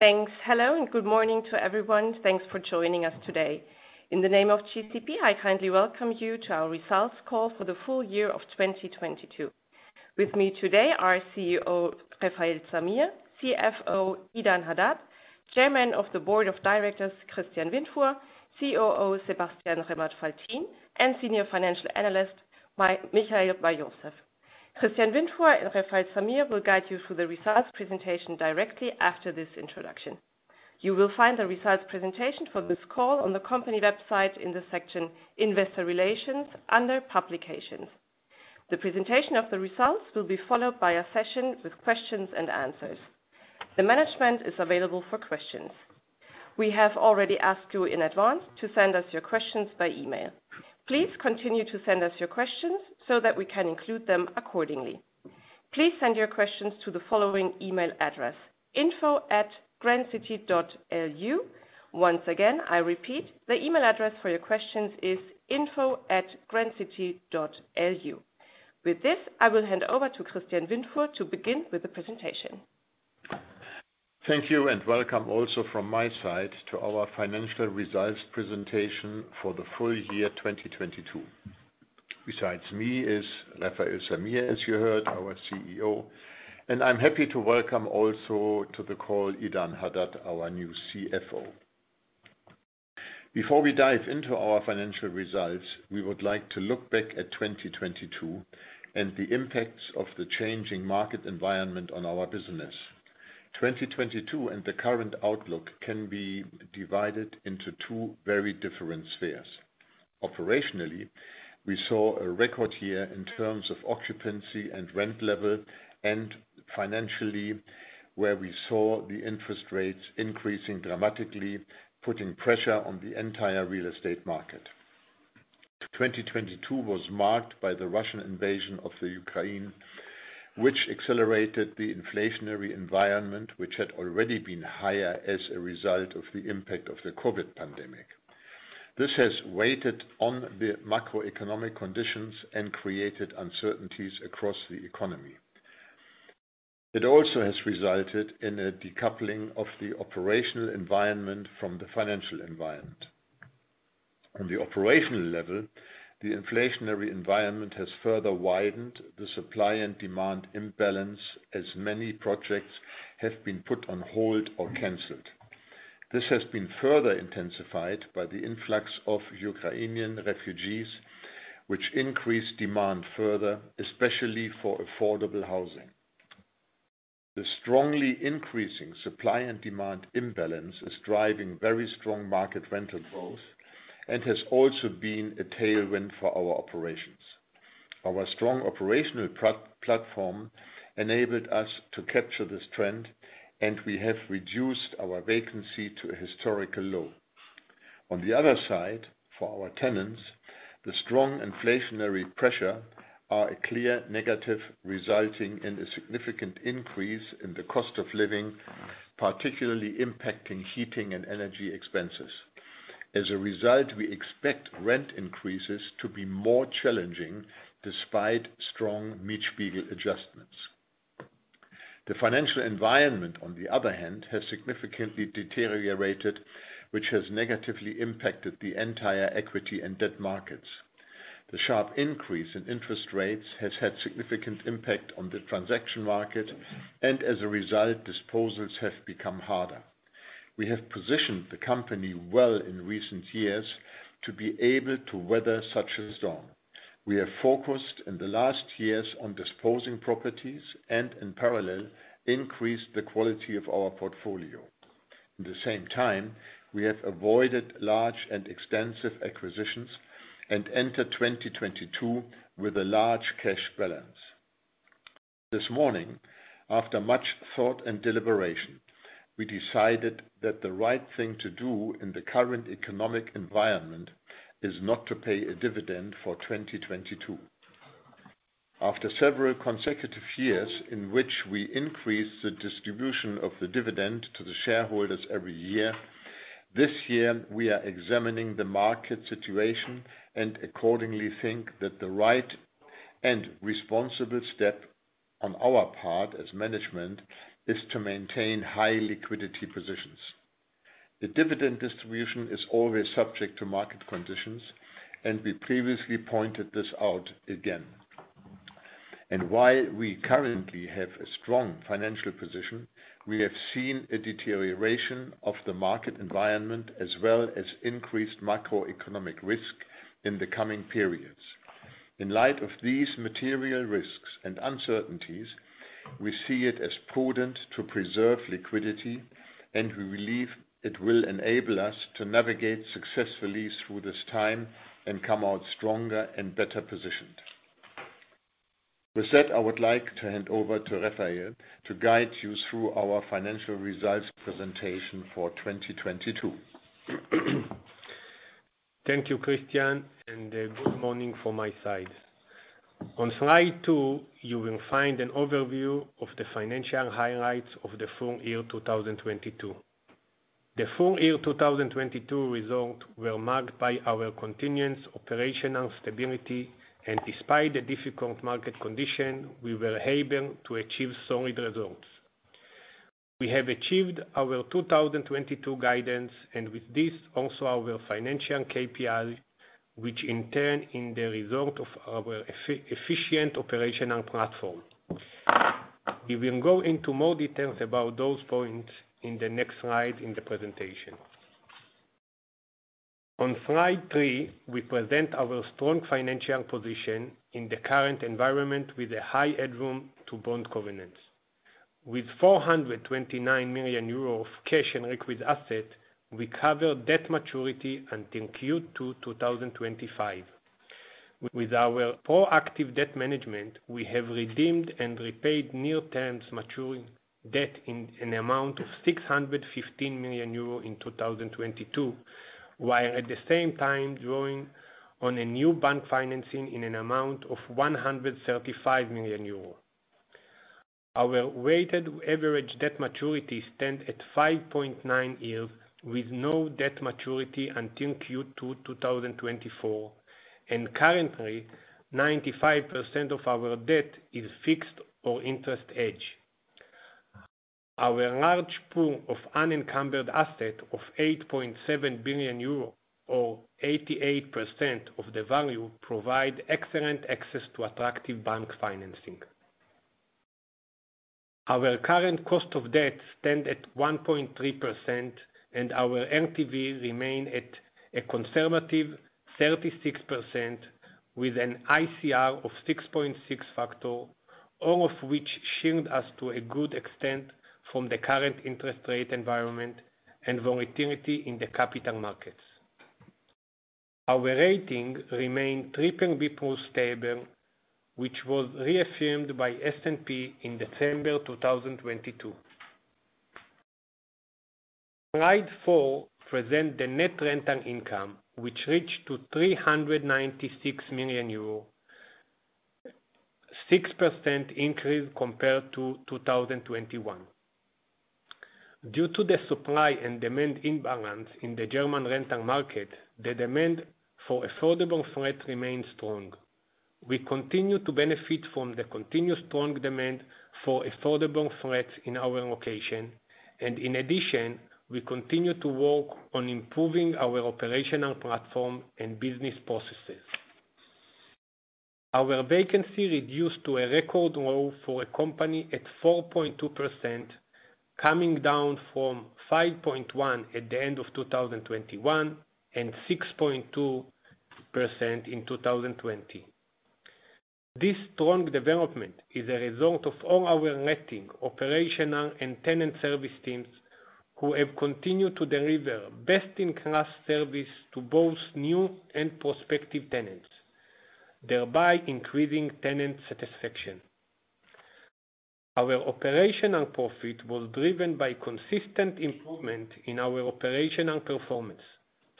Thanks. Hello, and good morning to everyone. Thanks for joining us today. In the name of GCP, I kindly welcome you to our results call for the full year of 2022. With me today are CEO Refael Zamir, CFO Idan Hadad, Chairman of the Board of Directors Christian Windfuhr, COO Sebastian Remmert-Faltin, and Senior Financial Analyst Michael Bar-Yosef. Christian Windfuhr and Refael Zamir will guide you through the results presentation directly after this introduction. You will find the results presentation for this call on the company website in the section Investor Relations under Publications. The presentation of the results will be followed by a session with questions and answers. The management is available for questions. We have already asked you in advance to send us your questions by email. Please continue to send us your questions so that we can include them accordingly. Please send your questions to the following email address, info@grandcity.lu. Once again, I repeat, the email address for your questions is info@grandcity.lu. With this, I will hand over to Christian Windfuhr to begin with the presentation. Thank you. Welcome also from my side to our financial results presentation for the full year 2022. Besides me is Refael Zamir, as you heard, our CEO, and I'm happy to welcome also to the call Idan Hadad, our new CFO. Before we dive into our financial results, we would like to look back at 2022 and the impacts of the changing market environment on our business. 2022 and the current outlook can be divided into two very different spheres. Operationally, we saw a record year in terms of occupancy and rent level. Financially, we saw the interest rates increasing dramatically, putting pressure on the entire real estate market. 2022 was marked by the Russian invasion of Ukraine, which accelerated the inflationary environment, which had already been higher as a result of the impact of the COVID pandemic. This has weighed on the macroeconomic conditions and created uncertainties across the economy. It also has resulted in a decoupling of the operational environment from the financial environment. On the operational level, the inflationary environment has further widened the supply and demand imbalance as many projects have been put on hold or canceled. This has been further intensified by the influx of Ukrainian refugees, which increased demand further, especially for affordable housing. The strongly increasing supply and demand imbalance is driving very strong market rental growth and has also been a tailwind for our operations. Our strong operational platform enabled us to capture this trend, and we have reduced our vacancy to a historical low. On the other side, for our tenants, the strong inflationary pressures are a clear negative, resulting in a significant increase in the cost of living, particularly impacting heating and energy expenses. As a result, we expect rent increases to be more challenging despite strong Mietspiegel adjustments. The financial environment, on the other hand, has significantly deteriorated, which has negatively impacted the entire equity and debt markets. The sharp increase in interest rates has had significant impact on the transaction market, and as a result, disposals have become harder. We have positioned the company well in recent years to be able to weather such a storm. We have focused in the last years on disposing properties and in parallel, increased the quality of our portfolio. At the same time, we have avoided large and extensive acquisitions and entered 2022 with a large cash balance. This morning, after much thought and deliberation, we decided that the right thing to do in the current economic environment is not to pay a dividend for 2022. After several consecutive years in which we increased the distribution of the dividend to the shareholders every year, this year we are examining the market situation and accordingly think that the right and responsible step on our part as management is to maintain high liquidity positions. The dividend distribution is always subject to market conditions, and we previously pointed this out again. While we currently have a strong financial position, we have seen a deterioration of the market environment as well as increased macroeconomic risk in the coming periods. In light of these material risks and uncertainties, we see it as prudent to preserve liquidity, and we believe it will enable us to navigate successfully through this time and come out stronger and better positioned. With that, I would like to hand over to Refael to guide you through our financial results presentation for 2022. Thank you, Christian, and good morning from my side. On slide two, you will find an overview of the financial highlights of the full year 2022. The full year 2022 results were marked by our continuance, operational stability, and despite the difficult market condition, we were able to achieve solid results. We have achieved our 2022 guidance, and with this, also our financial KPI, which in turn in the result of our efficient operational platform. We will go into more details about those points in the next slide in the presentation. On slide three, we present our strong financial position in the current environment with a high headroom to bond covenants. With 429 million euros of cash and liquid asset, we cover debt maturity until Q2 2025. With our proactive debt management, we have redeemed and repaid near terms maturing debt in an amount of 615 million euro in 2022, while at the same time drawing on a new bank financing in an amount of 135 million euro. Our weighted average debt maturity stand at 5.9 years, with no debt maturity until Q2 2024. Currently, 95% of our debt is fixed or interest hedge. Our large pool of unencumbered asset of 8.7 billion euro, or 88% of the value, provide excellent access to attractive bank financing. Our current cost of debt stand at 1.3%, and our LTV remain at a conservative 36% with an ICR of 6.6 factor, all of which shield us to a good extent from the current interest rate environment and volatility in the capital markets. Our rating remained BBB+ stable, which was reaffirmed by S&P in December 2022. Slide four presents the net rental income, which reached 396 million euros, 6% increase compared to 2021. Due to the supply and demand imbalance in the German rental market, the demand for affordable flats remains strong. We continue to benefit from the continued strong demand for affordable flats in our location. In addition, we continue to work on improving our operational platform and business processes. Our vacancy reduced to a record low for a company at 4.2%, coming down from 5.1% at the end of 2021 and 6.2% in 2020. This strong development is a result of all our letting operational and tenant service teams who have continued to deliver best-in-class service to both new and prospective tenants, thereby increasing tenant satisfaction. Our operational profit was driven by consistent improvement in our operational performance,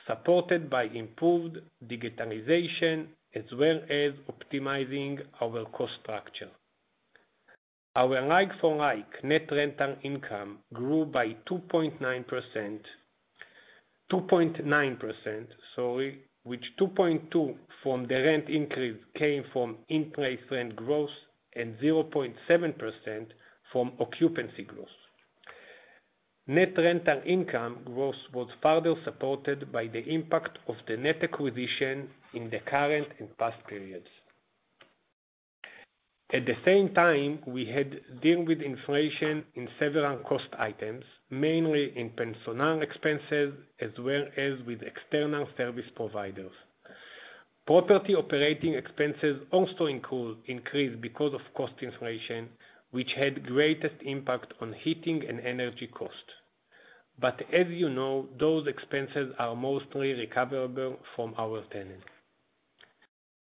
supported by improved digitalization as well as optimizing our cost structure. Our like-for-like net rental income grew by 2.9%, which 2.2% from the rent increase came from in place rent growth and 0.7% from occupancy growth. Net rental income growth was further supported by the impact of the net acquisition in the current and past periods. At the same time, we had deal with inflation in several cost items, mainly in personnel expenses as well as with external service providers. Property operating expenses also increased because of cost inflation, which had greatest impact on heating and energy cost. As you know, those expenses are mostly recoverable from our tenants.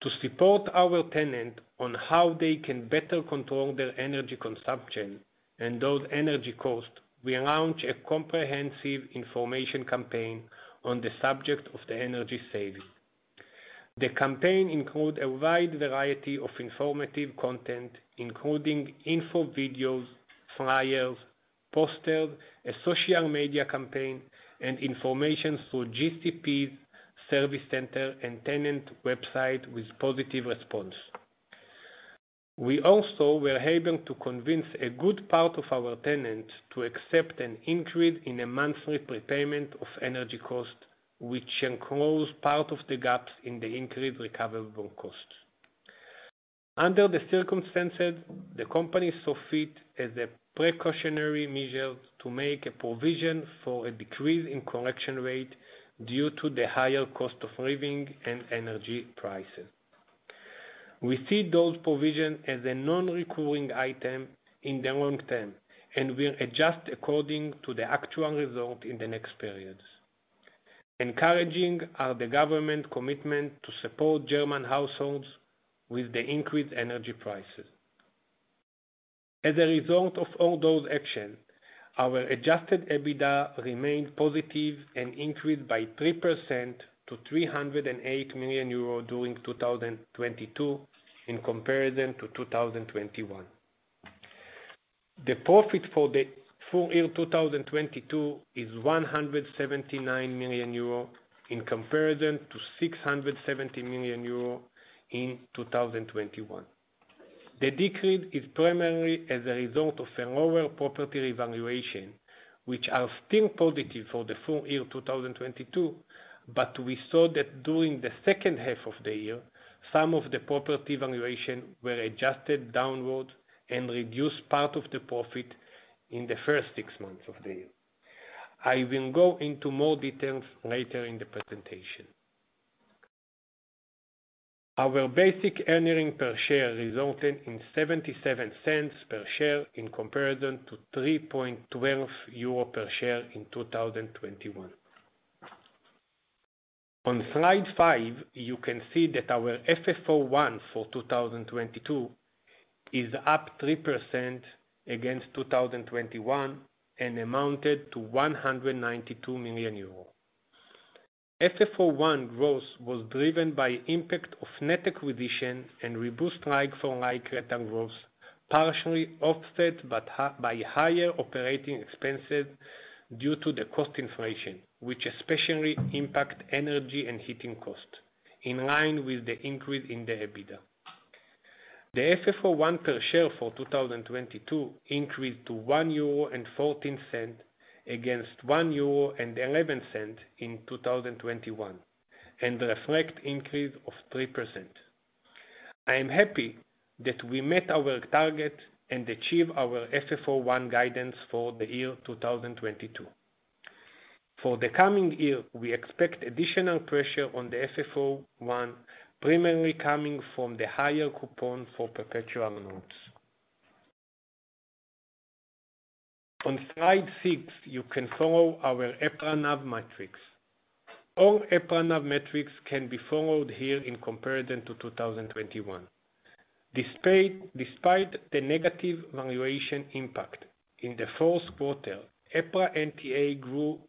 To support our tenant on how they can better control their energy consumption and those energy costs, we launched a comprehensive information campaign on the subject of the energy saving. The campaign included a wide variety of informative content, including info videos, flyers, posters, a social media campaign, and information through GCP's service center and tenant website with positive response. We also were able to convince a good part of our tenants to accept an increase in a monthly prepayment of energy cost, which enclosed part of the gap in the increased recoverable costs. Under the circumstances, the company saw fit as a precautionary measure to make a provision for a decrease in collection rate due to the higher cost of living and energy prices. We see those provisions as a non-recurring item in the long term, and will adjust according to the actual result in the next periods. Encouraging are the government commitment to support German households with the increased energy prices. As a result of all those actions, our adjusted EBITDA remained positive and increased by 3% to 308 million euro during 2022 in comparison to 2021. The profit for the full year 2022 is 179 million euro in comparison to 670 million euro in 2021. The decrease is primarily as a result of a lower property valuations, which are still positive for the full year 2022, but we saw that during the second half of the year, some of the property valuations were adjusted downwards and reduced part of the profit in the first six months of the year. I will go into more details later in the presentation. Our basic earnings per share resulted in 0.77 per share in comparison to 3.12 euro per share in 2021. On slide five, you can see that our FFO 1 for 2022 is up 3% against 2021 and amounted to 192 million euros. FFO 1 growth was driven by impact of net acquisition and robust like-for-like rental growth, partially offset by higher operating expenses due to the cost inflation, which especially impact energy and heating cost, in line with the increase in the EBITDA. The FFO 1 per share for 2022 increased to 1.14 euro against 1.11 euro in 2021, and reflect increase of 3%. I am happy that we met our target and achieved our FFO 1 guidance for the year 2022. For the coming year, we expect additional pressure on the FFO 1, primarily coming from the higher coupon for perpetual notes. On slide six, you can follow our EPRA NAV metrics. All EPRA NAV metrics can be followed here in comparison to 2021. Despite the negative valuation impact in the fourth quarter, EPRA NTA grew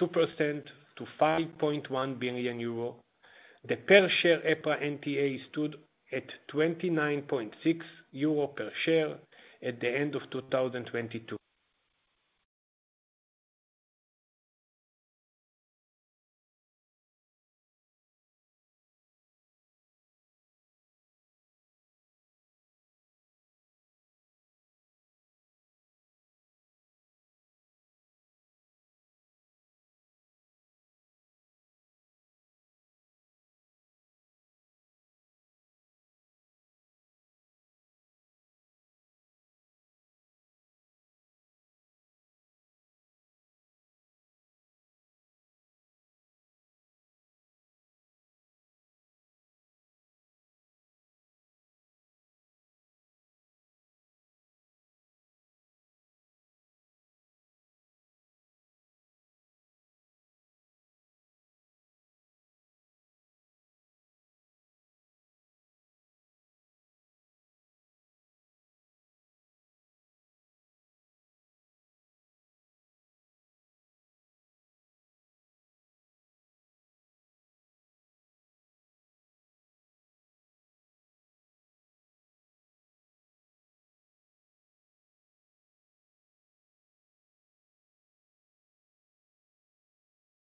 2% to 5.1 billion euro. The per share EPRA NTA stood at 29.6 euro per share at the end of 2022.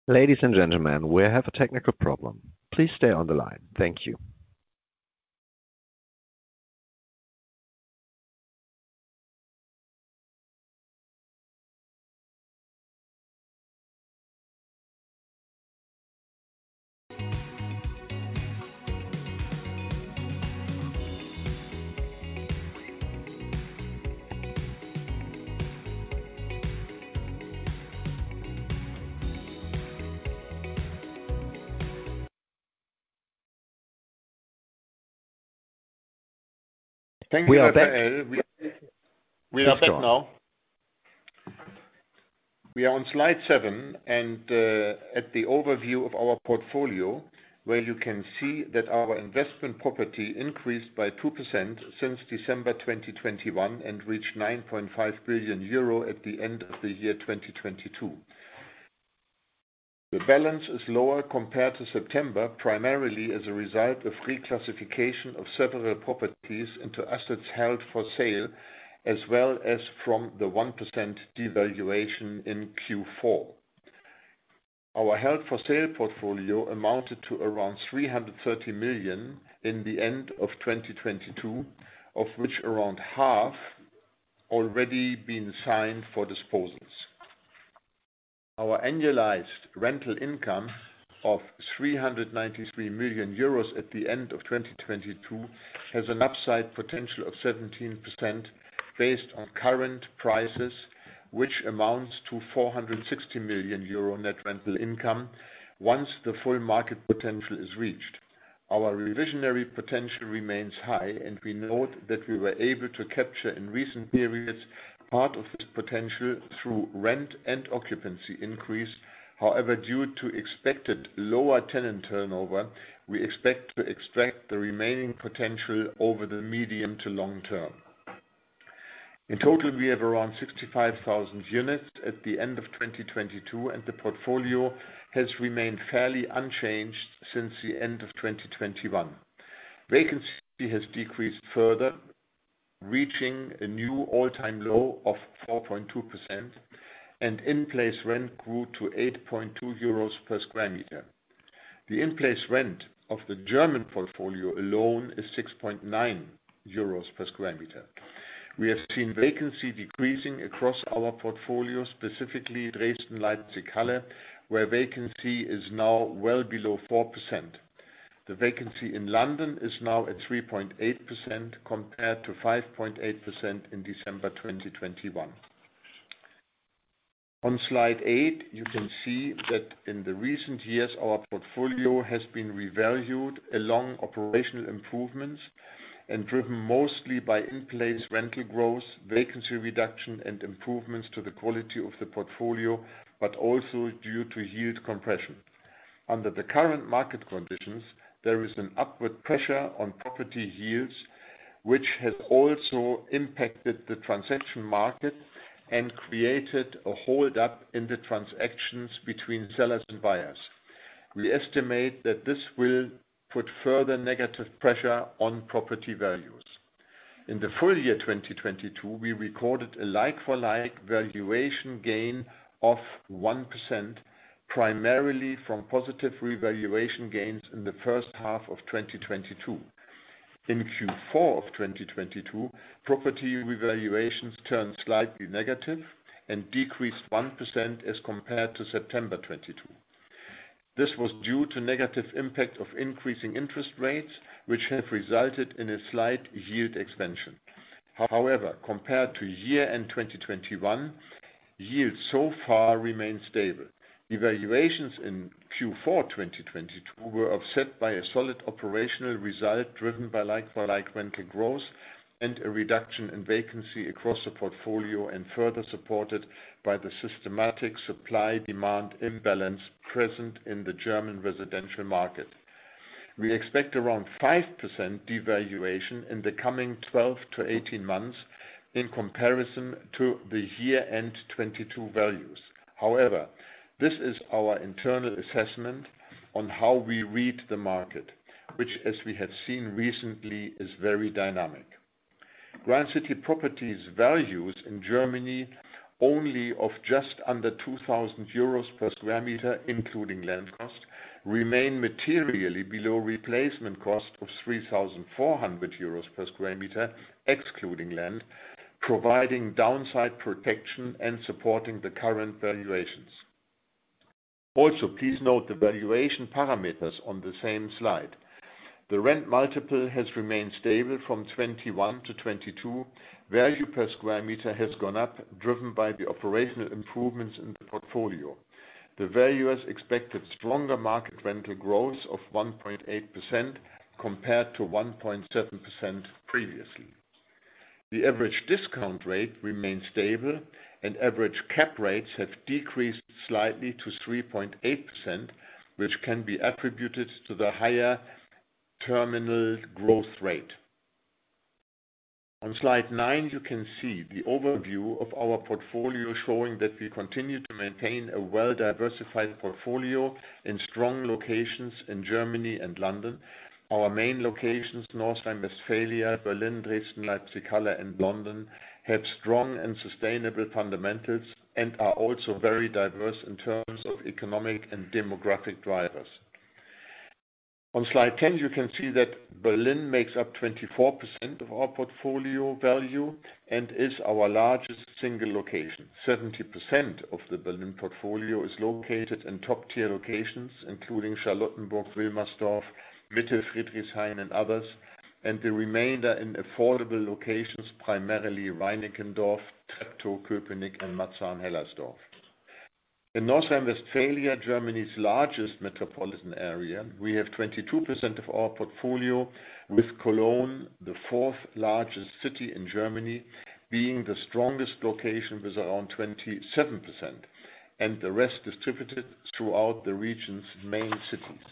Ladies and gentlemen, we have a technical problem. Please stay on the line. Thank you. Thank you, Refael. We are back. We are back now. We are on slide seven and at the overview of our portfolio, where you can see that our investment property increased by 2% since December 2021 and reached 9.5 billion euro at the end of the year 2022. The balance is lower compared to September, primarily as a result of reclassification of several properties into assets held for sale, as well as from the 1% devaluation in Q4. Our held for sale portfolio amounted to around 330 million in the end of 2022, of which around half already been signed for disposals. Our annualized rental income of 393 million euros at the end of 2022 has an upside potential of 17% based on current prices, which amounts to 460 million euro net rental income once the full market potential is reached. Our revisionary potential remains high. We note that we were able to capture, in recent periods, part of this potential through rent and occupancy increase. However, due to expected lower tenant turnover, we expect to extract the remaining potential over the medium to long term. In total, we have around 65,000 units at the end of 2022, and the portfolio has remained fairly unchanged since the end of 2021. Vacancy has decreased further Reaching a new all-time low of 4.2%. In-place rent grew to 8.2 euros/sq m. The in-place rent of the German portfolio alone is 6.9 euros/sq m. We have seen vacancy decreasing across our portfolio, specifically Dresden/Leipzig/Halle, where vacancy is now well below 4%. The vacancy in London is now at 3.8% compared to 5.8% in December 2021. On slide eight, you can see that in the recent years, our portfolio has been revalued along operational improvements and driven mostly by in-place rental growth, vacancy reduction, and improvements to the quality of the portfolio, also due to yield compression. Under the current market conditions, there is an upward pressure on property yields, which has also impacted the transaction market and created a hold up in the transactions between sellers and buyers. We estimate that this will put further negative pressure on property values. In the full year 2022, we recorded a like-for-like valuation gain of 1%, primarily from positive revaluation gains in the first half of 2022. In Q4 of 2022, property revaluations turned slightly negative and decreased 1% as compared to September 2022. This was due to negative impact of increasing interest rates, which have resulted in a slight yield expansion. However, compared to year-end 2021, yields so far remain stable. Devaluations in Q4 2022 were offset by a solid operational result driven by like-for-like rental growth and a reduction in vacancy across the portfolio and further supported by the systematic supply-demand imbalance present in the German residential market. We expect around 5% devaluation in the coming 12-18 months in comparison to the year-end 2022 values. However, this is our internal assessment on how we read the market, which as we have seen recently, is very dynamic. Grand City Properties values in Germany only of just under 2,000 euros/sq m, including land cost, remain materially below replacement cost of 3,400 euros//sq m, excluding land, providing downside protection and supporting the current valuations. Also, please note the valuation parameters on the same slide. The rent multiple has remained stable from 2021 to 2022. Value per square meter has gone up, driven by the operational improvements in the portfolio. The valuers expected stronger market rental growth of 1.8% compared to 1.7% previously. The average discount rate remained stable, and average cap rates have decreased slightly to 3.8%, which can be attributed to the higher terminal growth rate. On slide nine, you can see the overview of our portfolio showing that we continue to maintain a well-diversified portfolio in strong locations in Germany and London. Our main locations, North Rhine-Westphalia, Berlin, Dresden, Leipzig, Halle, and London, have strong and sustainable fundamentals and are also very diverse in terms of economic and demographic drivers. On slide 10, you can see that Berlin makes up 24% of our portfolio value and is our largest single location. 70% of the Berlin portfolio is located in top-tier locations, including Charlottenburg, Wilmersdorf, Mitte, Friedrichshain, and others, and the remainder in affordable locations, primarily Reinickendorf, Treptow, Köpenick, and Marzahn-Hellersdorf. In North Rhine-Westphalia, Germany's largest metropolitan area, we have 22% of our portfolio, with Cologne, the fourth largest city in Germany, being the strongest location with around 27%, and the rest distributed throughout the region's main cities.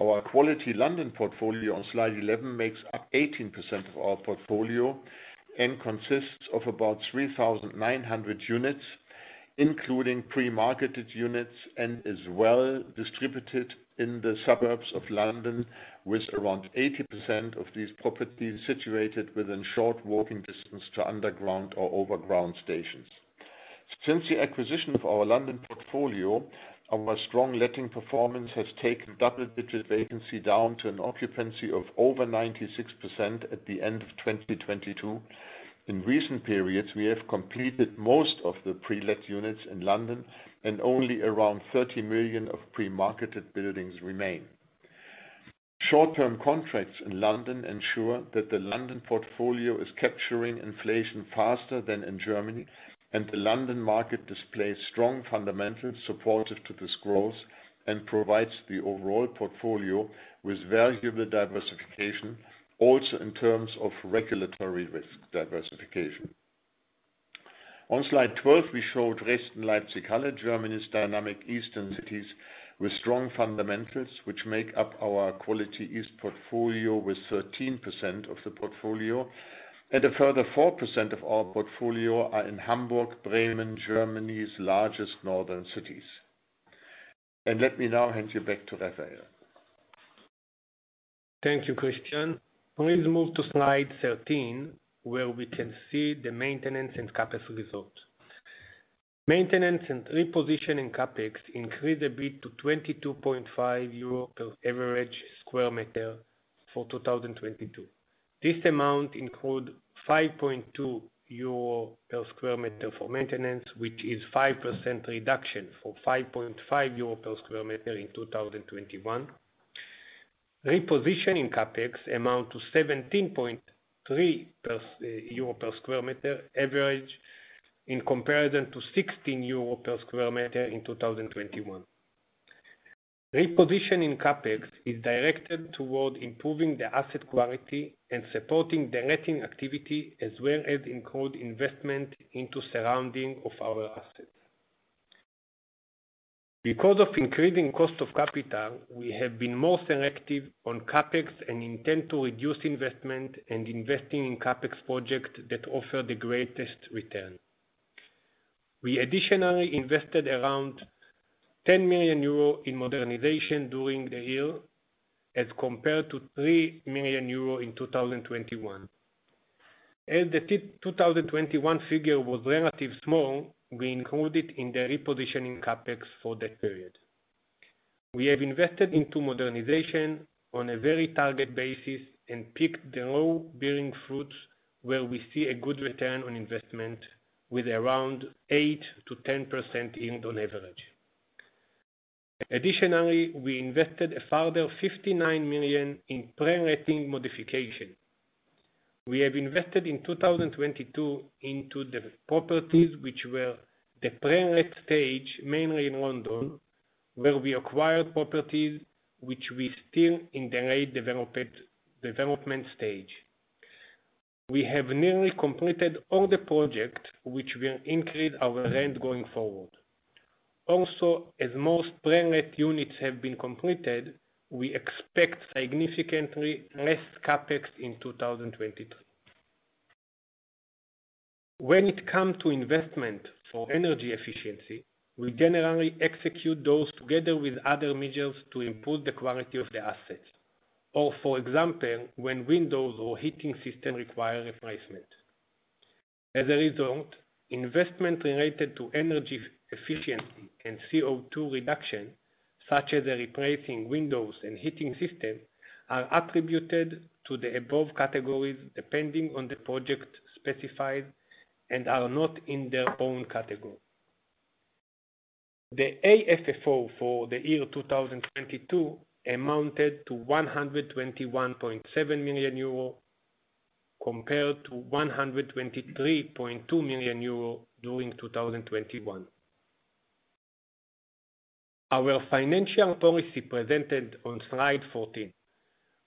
Our quality London portfolio on slide 11 makes up 18% of our portfolio and consists of about 3,900 units, including pre-marketed units, and is well distributed in the suburbs of London, with around 80% of these properties situated within short walking distance to underground or overground stations. Since the acquisition of our London portfolio, our strong letting performance has taken double-digit vacancy down to an occupancy of over 96% at the end of 2022. In recent periods, we have completed most of the pre-let units in London, and only around 30 million of pre-marketed buildings remain. Short-term contracts in London ensure that the London portfolio is capturing inflation faster than in Germany, and the London market displays strong fundamentals supportive to this growth and provides the overall portfolio with valuable diversification, also in terms of regulatory risk diversification. On slide 12, we showed Dresden/Leipzig/Halle, Germany's dynamic eastern cities with strong fundamentals, which make up our quality east portfolio with 13% of the portfolio. A further 4% of our portfolio are in Hamburg, Bremen, Germany's largest northern cities. Let me now hand you back to Refael. Thank you, Christian. Please move to slide 13, where we can see the maintenance and CapEx results. Maintenance and repositioning CapEx increased a bit to 22.5 euro/sq m average for 2022. This amount includes 5.2 euro/sq m for maintenance, which is 5% reduction from EUR 5.5/sq m in 2021. Repositioning CapEx amount to EUR 17.3/sq m average in comparison to 16 euro/sq m in 2021. Repositioning CapEx is directed toward improving the asset quality and supporting the letting activity, as well as include investment into surrounding of our assets. Because of increasing cost of capital, we have been more selective on CapEx and intend to reduce investment and investing in CapEx projects that offer the greatest return. We additionally invested around 10 million euro in modernization during the year as compared to 3 million euro in 2021. As the 2021 figure was relatively small, we include it in the repositioning CapEx for that period. We have invested into modernization on a very target basis and picked the low bearing fruits, where we see a good return on investment with around 8%-10% yield on average. Additionally, we invested a further 59 million in pre-letting modification. We have invested in 2022 into the properties which were the pre-let stage, mainly in London, where we acquired properties which we still in the late development stage. We have nearly completed all the projects which will increase our rent going forward. Also, as most pre-let units have been completed, we expect significantly less CapEx in 2023. When it come to investment for energy efficiency, we generally execute those together with other measures to improve the quality of the assets. For example, when windows or heating system require replacement. As a result, investment related to energy efficiency and CO2 reduction, such as replacing windows and heating systems, are attributed to the above categories depending on the project specified and are not in their own category. The AFFO for the year 2022 amounted to 121.7 million euro compared to 123.2 million euro during 2021. Our financial policy presented on slide 14.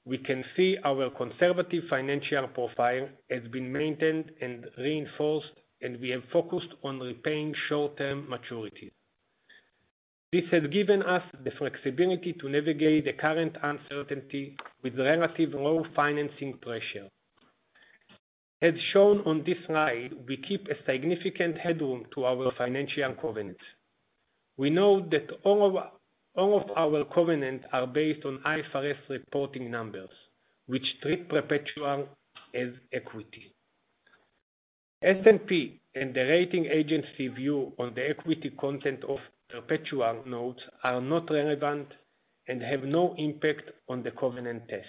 We can see our conservative financial profile has been maintained and reinforced, and we have focused on repaying short-term maturities. This has given us the flexibility to navigate the current uncertainty with relative low financing pressure. As shown on this slide, we keep a significant headroom to our financial covenants. We know that all of our covenants are based on IFRS reporting numbers, which treat perpetual as equity. S&P and the rating agency view on the equity content of perpetual notes are not relevant and have no impact on the covenant test.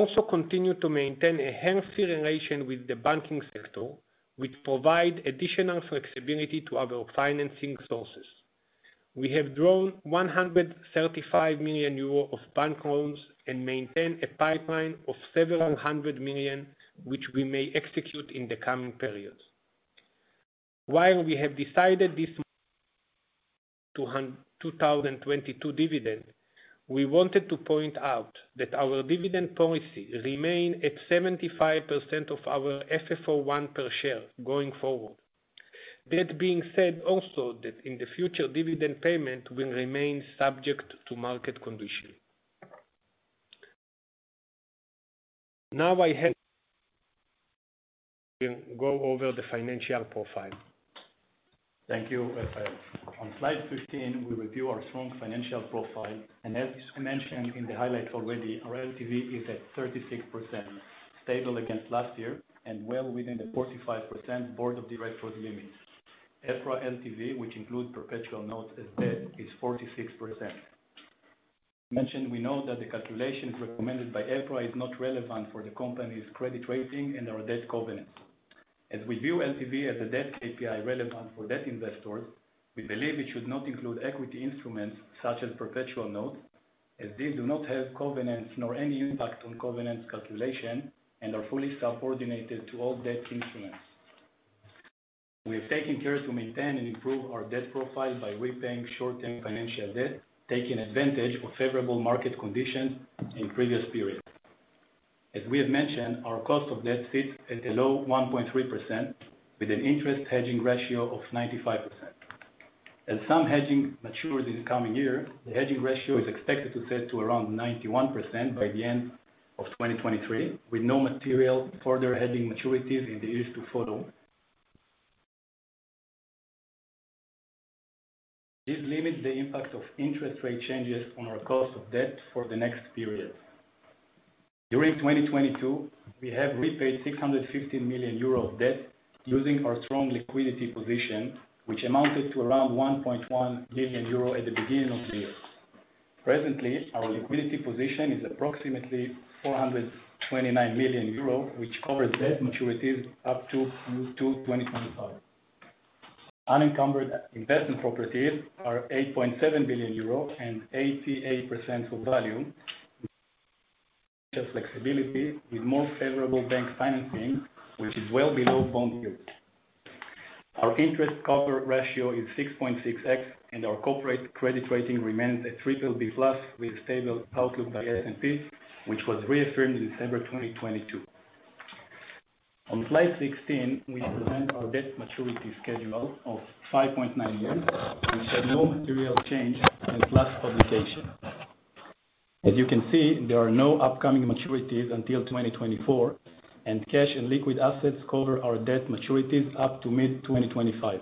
Also continue to maintain a healthy relation with the banking sector, which provide additional flexibility to our financing sources. We have drawn 135 million euro of bank loans and maintain a pipeline of several hundred million, which we may execute in the coming periods. While we have decided this 2022 dividend, we wanted to point out that our dividend policy remain at 75% of our FFO 1 per share going forward. That being said also that in the future, dividend payment will remain subject to market condition. Now I hand go over the financial profile. Thank you, Refael. On slide 15, we review our strong financial profile, and as mentioned in the highlights already, our LTV is at 36%, stable against last year and well within the 45% Board of Directors limit. EPRA LTV, which includes perpetual notes as debt, is 46%. Mentioned we know that the calculation recommended by EPRA is not relevant for the company's credit rating and our debt covenants. As we view LTV as a debt KPI relevant for debt investors, we believe it should not include equity instruments such as perpetual notes, as these do not have covenants nor any impact on covenant calculation and are fully subordinated to all debt instruments. We have taken care to maintain and improve our debt profile by repaying short-term financial debt, taking advantage of favorable market conditions in previous periods. As we have mentioned, our cost of debt sits at a low 1.3% with an interest hedging ratio of 95%. As some hedging matures this coming year, the hedging ratio is expected to set to around 91% by the end of 2023, with no material further heading maturities in the years to follow. This limits the impact of interest rate changes on our cost of debt for the next period. During 2022, we have repaid 650 million euro of debt using our strong liquidity position, which amounted to around 1.1 million euro at the beginning of the year. Presently, our liquidity position is approximately 429 million euro, which covers debt maturities up to Q2 2025. Unencumbered investment properties are 8.7 billion euro and 88% of value. Flexibility with more favorable bank financing, which is well below bond yield. Our interest cover ratio is 6.6x, our corporate credit rating remains at BBB+ with stable outlook by S&P, which was reaffirmed in December 2022. On slide 16, we present our debt maturity schedule of 5.9 years, which had no material change since last publication. As you can see, there are no upcoming maturities until 2024, and cash and liquid assets cover our debt maturities up to mid-2025.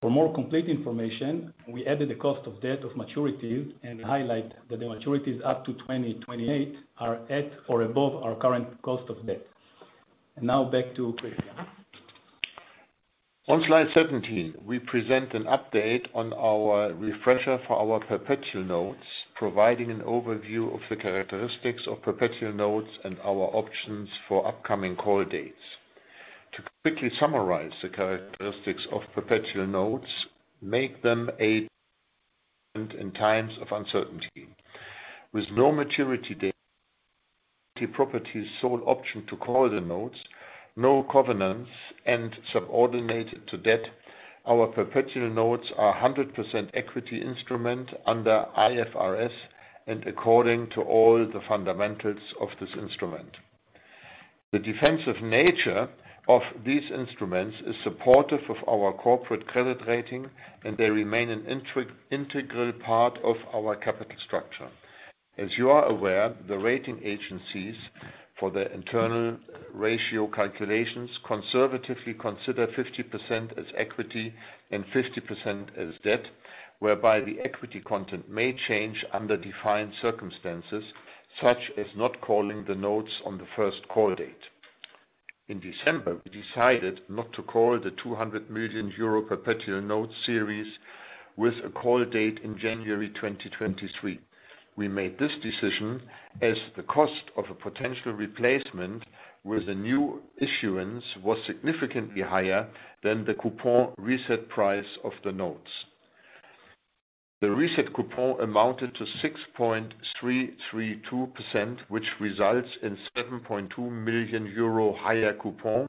For more complete information, we added the cost of debt of maturities and highlight that the maturities up to 2028 are at or above our current cost of debt. Now back to Christian. On slide 17, we present an update on our refresher for our perpetual notes, providing an overview of the characteristics of perpetual notes and our options for upcoming call dates. To quickly summarize the characteristics of perpetual notes, make them a in times of uncertainty. With no maturity date, property's sole option to call the notes, no governance, and subordinate to debt, our perpetual notes are 100% equity instrument under IFRS and according to all the fundamentals of this instrument. The defensive nature of these instruments is supportive of our corporate credit rating, and they remain an integral part of our capital structure. As you are aware, the rating agencies for their internal ratio calculations conservatively consider 50% as equity and 50% as debt, whereby the equity content may change under defined circumstances, such as not calling the notes on the first call date. In December, we decided not to call the 200 million euro perpetual note series with a call date in January 2023. We made this decision as the cost of a potential replacement with a new issuance was significantly higher than the coupon reset price of the notes. The reset coupon amounted to 6.332%, which results in 7.2 million euro higher coupon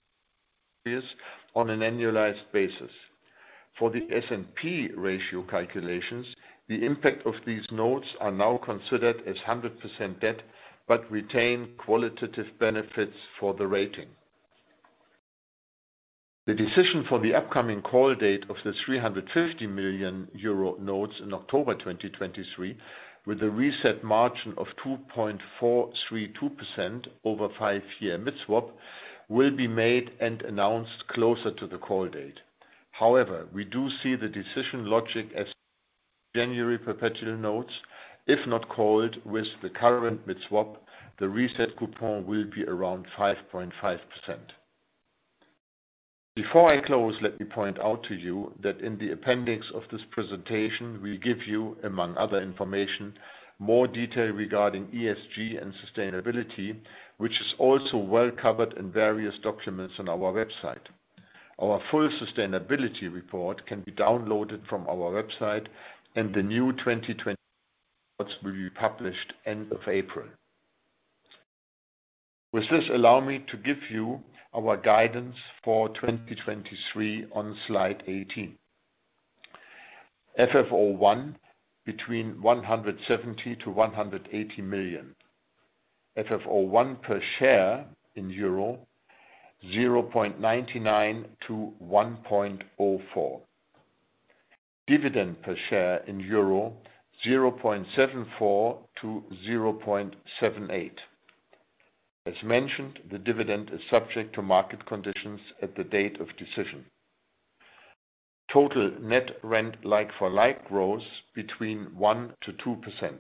is on an annualized basis. For the S&P ratio calculations, the impact of these notes are now considered as 100% debt, but retain qualitative benefits for the rating. The decision for the upcoming call date of the 350 million euro notes in October 2023, with a reset margin of 2.432% over five year mid-swap, will be made and announced closer to the call date. We do see the decision logic as January perpetual notes, if not called with the current mid-swap, the reset coupon will be around 5.5%. Before I close, let me point out to you that in the appendix of this presentation, we give you, among other information, more detail regarding ESG and sustainability, which is also well covered in various documents on our website. Our full sustainability report can be downloaded from our website, and the new 2020 reports will be published end of April. With this, allow me to give you our guidance for 2023 on slide 18. FFO 1 between 170 million-180 million. FFO 1 per share in 0.99-1.04 euro. Dividend per share in 0.74-0.78 euro. As mentioned, the dividend is subject to market conditions at the date of decision. Total net rent like for like growth between 1%-2%.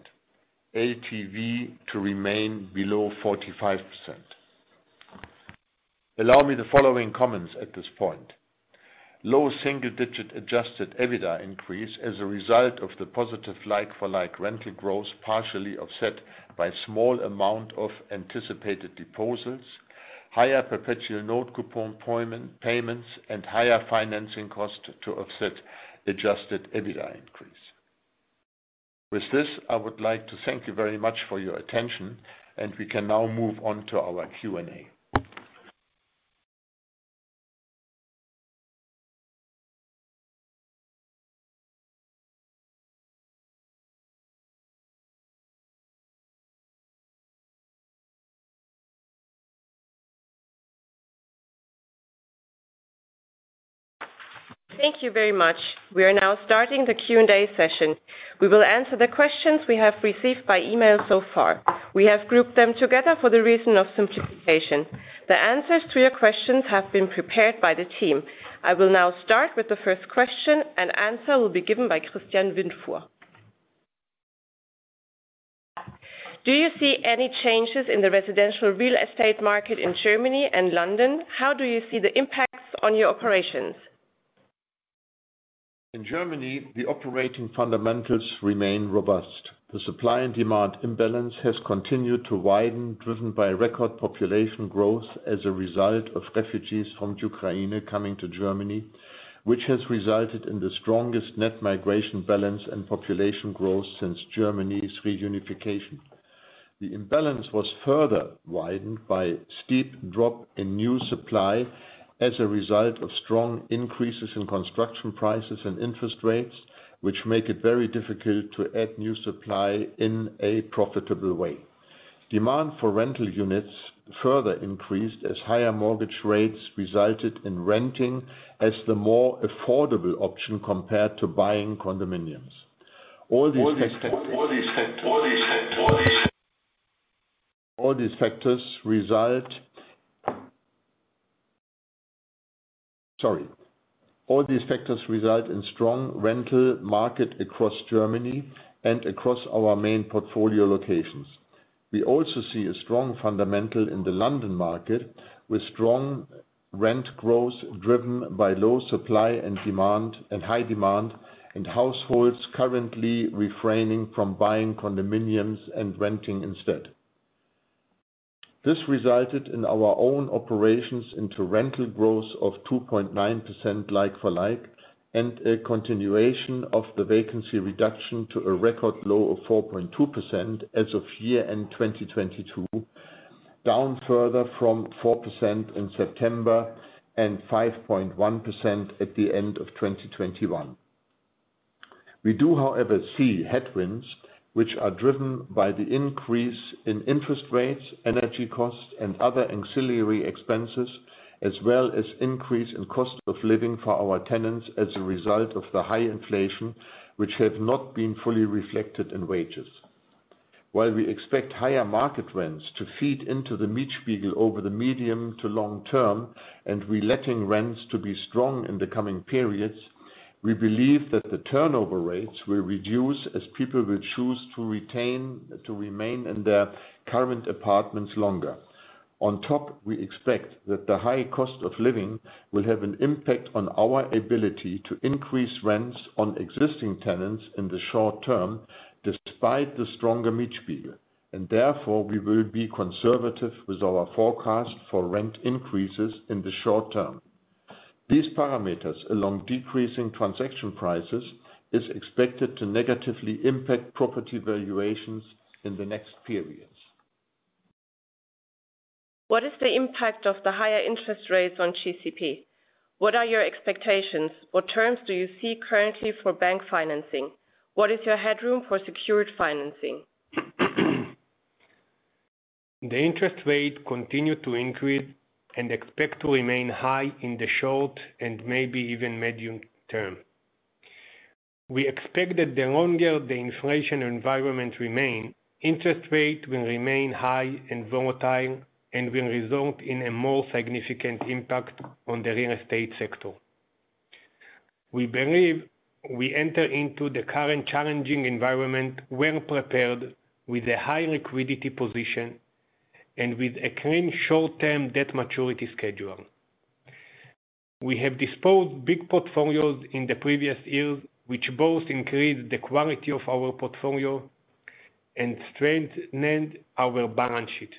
LTV to remain below 45%. Allow me the following comments at this point. Low single digit adjusted EBITDA increase as a result of the positive like for like rental growth partially offset by small amount of anticipated deposits, higher perpetual note coupon payments, and higher financing cost to offset adjusted EBITDA increase. With this, I would like to thank you very much for your attention, and we can now move on to our Q&A. Thank you very much. We are now starting the Q&A session. We will answer the questions we have received by email so far. We have grouped them together for the reason of simplification. The answers to your questions have been prepared by the team. I will now start with the first question, and answer will be given by Christian Windfuhr. Do you see any changes in the residential real estate market in Germany and London? How do you see the impacts on your operations? In Germany, the operating fundamentals remain robust. The supply and demand imbalance has continued to widen, driven by record population growth as a result of refugees from Ukraine coming to Germany, which has resulted in the strongest net migration balance and population growth since Germany's reunification. The imbalance was further widened by steep drop in new supply as a result of strong increases in construction prices and interest rates, which make it very difficult to add new supply in a profitable way. Demand for rental units further increased as higher mortgage rates resulted in renting as the more affordable option compared to buying condominiums. All these factors result in strong rental market across Germany and across our main portfolio locations. We also see a strong fundamental in the London market with strong rent growth driven by low supply and high demand, and households currently refraining from buying condominiums and renting instead. This resulted in our own operations into rental growth of 2.9% like for like, and a continuation of the vacancy reduction to a record low of 4.2% as of year end 2022, down further from 4% in September and 5.1% at the end of 2021. We do, however, see headwinds, which are driven by the increase in interest rates, energy costs, and other ancillary expenses, as well as increase in cost of living for our tenants as a result of the high inflation, which have not been fully reflected in wages. While we expect higher market rents to feed into the Mietspiegel over the medium to long term, and re-letting rents to be strong in the coming periods, we believe that the turnover rates will reduce as people will choose to remain in their current apartments longer. On top, we expect that the high cost of living will have an impact on our ability to increase rents on existing tenants in the short term, despite the stronger Mietspiegel, and therefore we will be conservative with our forecast for rent increases in the short term. These parameters, along decreasing transaction prices, is expected to negatively impact property valuations in the next periods. What is the impact of the higher interest rates on GCP? What are your expectations? What terms do you see currently for bank financing? What is your headroom for secured financing? The interest rate continue to increase and we expect to remain high in the short and maybe even medium term. We expect that the longer the inflation environment remain, interest rate will remain high and volatile and will result in a more significant impact on the real estate sector. We believe we enter into the current challenging environment well prepared, with a high liquidity position, and with a clean short-term debt maturity schedule. We have disposed big portfolios in the previous years, which both increased the quality of our portfolio and strengthened our balance sheet.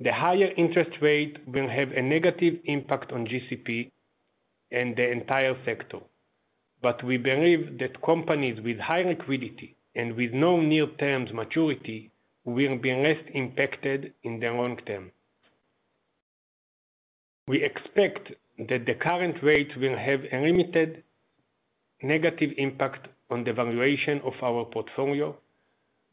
The higher interest rate will have a negative impact on GCP and the entire sector. We believe that companies with high liquidity and with no near-term maturity will be less impacted in the long term. We expect that the current rate will have a limited negative impact on the valuation of our portfolio,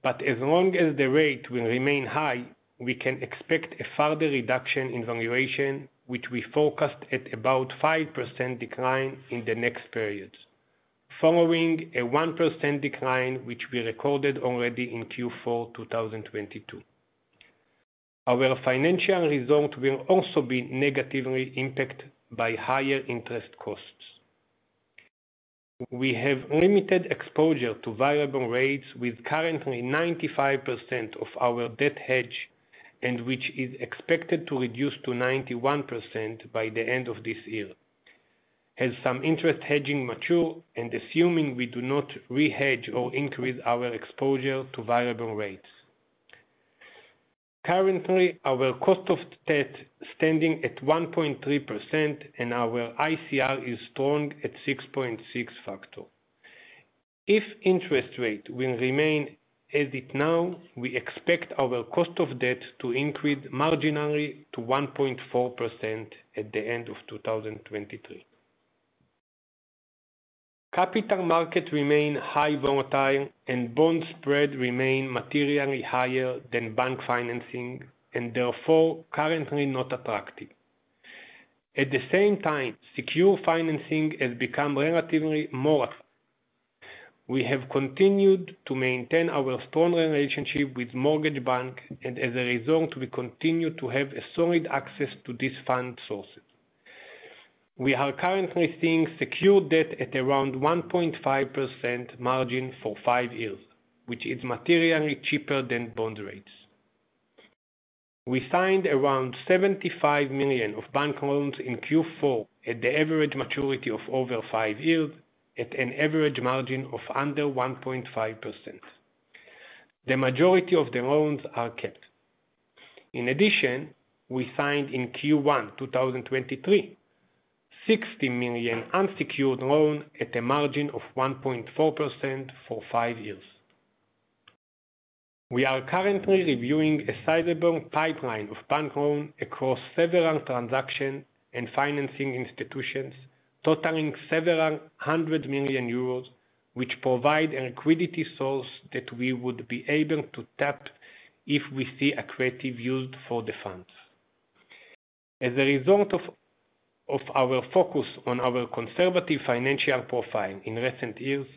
but as long as the rate will remain high, we can expect a further reduction in valuation, which we forecast at about 5% decline in the next periods, following a 1% decline which we recorded already in Q4 2022. Our financial result will also be negatively impacted by higher interest costs. We have limited exposure to variable rates with currently 95% of our debt hedge, and which is expected to reduce to 91% by the end of this year. As some interest hedging mature and assuming we do not rehedge or increase our exposure to variable rates. Currently, our cost of debt standing at 1.3%, and our ICR is strong at 6.6 factor. If interest rate will remain as it now, we expect our cost of debt to increase marginally to 1.4% at the end of 2023. Capital markets remain high volatile and bond spread remain materially higher than bank financing, therefore currently not attractive. At the same time, secure financing has become relatively more attractive. We have continued to maintain our strong relationship with mortgage bank, as a result, we continue to have a solid access to these fund sources. We are currently seeing secured debt at around 1.5% margin for five years, which is materially cheaper than bond rates. We signed around 75 million of bank loans in Q4 at the average maturity of over five years, at an average margin of under 1.5%. The majority of the loans are capped. In addition, we signed in Q1 2023, 60 million unsecured loan at a margin of 1.4% for five years. We are currently reviewing a sizable pipeline of bank loan across several transaction and financing institutions, totaling several hundred million Euros, which provide a liquidity source that we would be able to tap if we see a creative use for the funds. As a result of our focus on our conservative financial profile in recent years,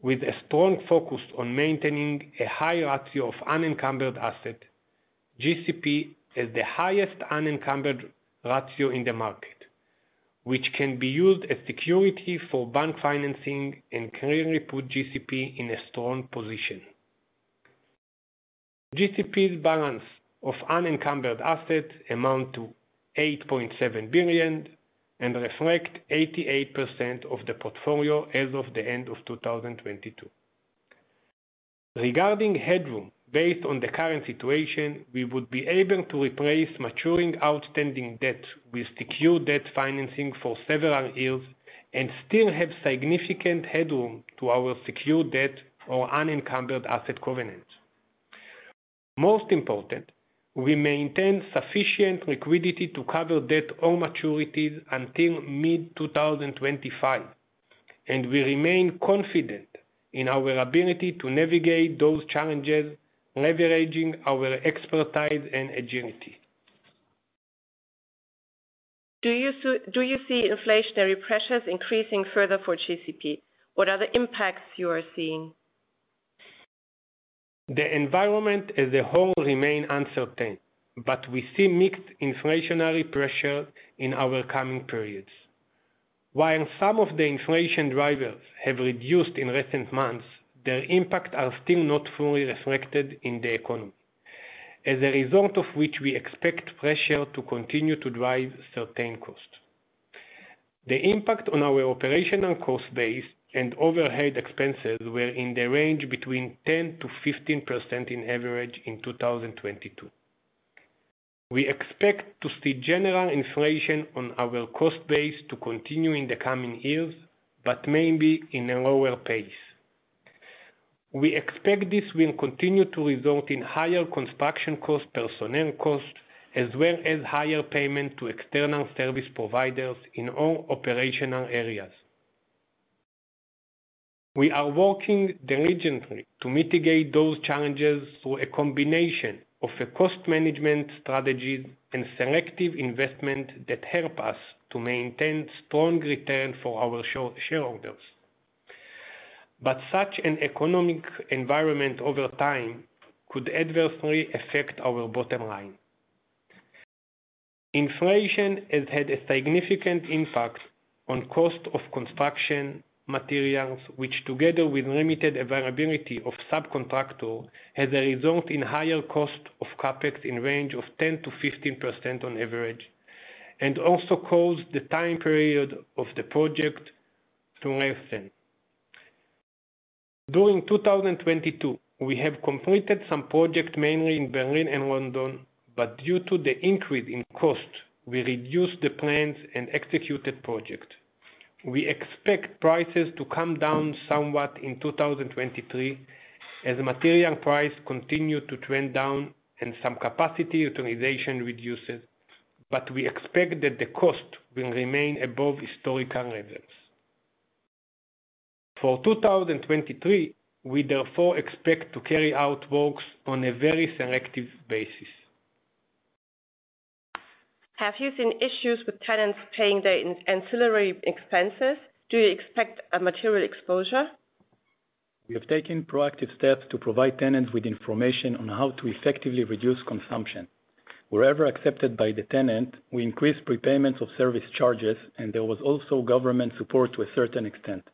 with a strong focus on maintaining a high ratio of unencumbered asset, GCP has the highest unencumbered ratio in the market, which can be used as security for bank financing and clearly put GCP in a strong position. GCP's balance of unencumbered assets amount to 8.7 billion and reflect 88% of the portfolio as of the end of 2022. Regarding headroom, based on the current situation, we would be able to replace maturing outstanding debt with secured debt financing for several years and still have significant headroom to our secured debt or unencumbered asset covenants. Most important, we maintain sufficient liquidity to cover debt or maturities until mid-2025, we remain confident in our ability to navigate those challenges, leveraging our expertise and agility. Do you see inflationary pressures increasing further for GCP? What are the impacts you are seeing? The environment as a whole remain uncertain, but we see mixed inflationary pressure in our coming periods. While some of the inflation drivers have reduced in recent months, their impact are still not fully reflected in the economy. As a result of which, we expect pressure to continue to drive certain costs. The impact on our operational cost base and overhead expenses were in the range between 10%-15% in average in 2022. We expect to see general inflation on our cost base to continue in the coming years, but maybe in a lower pace. We expect this will continue to result in higher construction cost, personnel cost, as well as higher payment to external service providers in all operational areas. We are working diligently to mitigate those challenges through a combination of a cost management strategies and selective investment that help us to maintain strong return for our shareholders. Such an economic environment over time could adversely affect our bottom line. Inflation has had a significant impact on cost of construction materials, which together with limited availability of subcontractor, has a result in higher cost of CapEx in range of 10%-15% on average, and also caused the time period of the project to lengthen. During 2022, we have completed some project, mainly in Berlin and London, but due to the increase in cost, we reduced the plans and executed project. We expect prices to come down somewhat in 2023, as material price continue to trend down and some capacity utilization reduces, but we expect that the cost will remain above historical levels. For 2023, we therefore expect to carry out works on a very selective basis. Have you seen issues with tenants paying their ancillary expenses? Do you expect a material exposure? We have taken proactive steps to provide tenants with information on how to effectively reduce consumption. Wherever accepted by the tenant, we increased prepayments of service charges. There was also government support to a certain extent.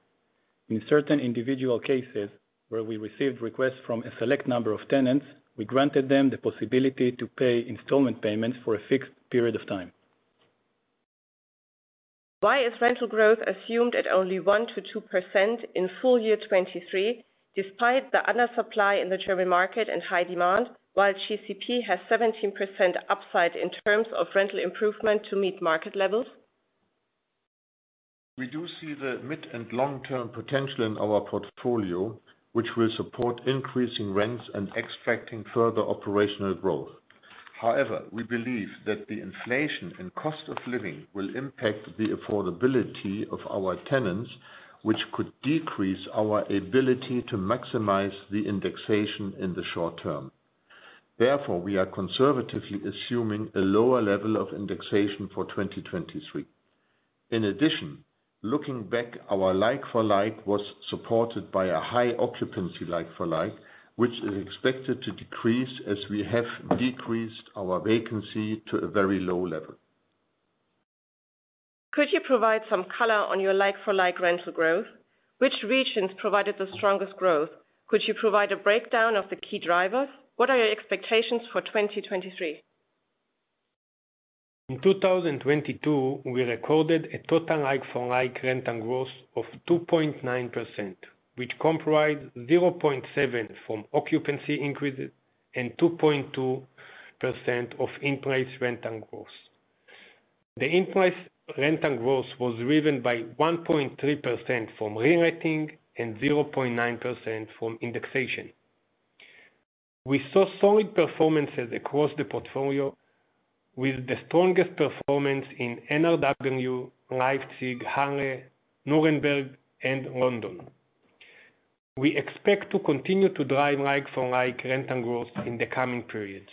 In certain individual cases, where we received requests from a select number of tenants, we granted them the possibility to pay installment payments for a fixed period of time. Why is rental growth assumed at only 1%-2% in full year 2023, despite the undersupply in the German market and high demand, while GCP has 17% upside in terms of rental improvement to meet market levels? We do see the mid- and long-term potential in our portfolio, which will support increasing rents and extracting further operational growth. We believe that the inflation and cost of living will impact the affordability of our tenants, which could decrease our ability to maximize the indexation in the short term. We are conservatively assuming a lower level of indexation for 2023. Looking back, our like-for-like was supported by a high occupancy like-for-like, which is expected to decrease as we have decreased our vacancy to a very low level. Could you provide some color on your like-for-like rental growth? Which regions provided the strongest growth? Could you provide a breakdown of the key drivers? What are your expectations for 2023? In 2022, we recorded a total like-for-like rental growth of 2.9%, which comprised 0.7% from occupancy increases and 2.2% of in-place rental growth. The in-place rental growth was driven by 1.3% from reletting and 0.9% from indexation. We saw solid performances across the portfolio, with the strongest performance in NRW, Leipzig, Halle, Nuremberg, and London. We expect to continue to drive like-for-like rental growth in the coming periods.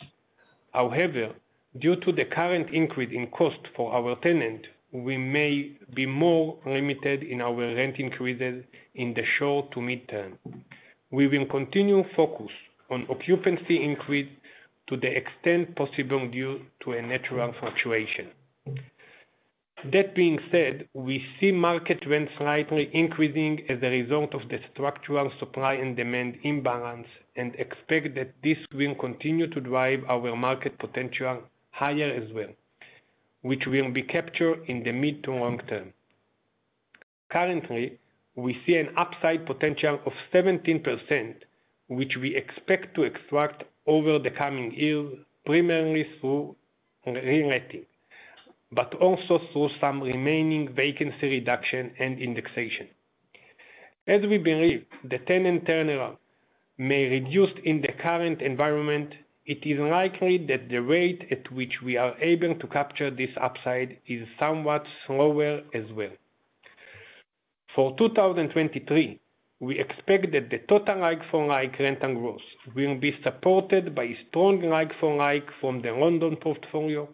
Due to the current increase in cost for our tenant, we may be more limited in our rent increases in the short to mid-term. We will continue focus on occupancy increase to the extent possible due to a natural fluctuation. That being said, we see market rent slightly increasing as a result of the structural supply and demand imbalance and expect that this will continue to drive our market potential higher as well, which will be captured in the mid to long term. Currently, we see an upside potential of 17%, which we expect to extract over the coming years, primarily through reletting, but also through some remaining vacancy reduction and indexation. As we believe the tenant turnaround may reduce in the current environment, it is likely that the rate at which we are able to capture this upside is somewhat slower as well. For 2023, we expect that the total like-for-like rental growth will be supported by strong like-for-like from the London portfolio,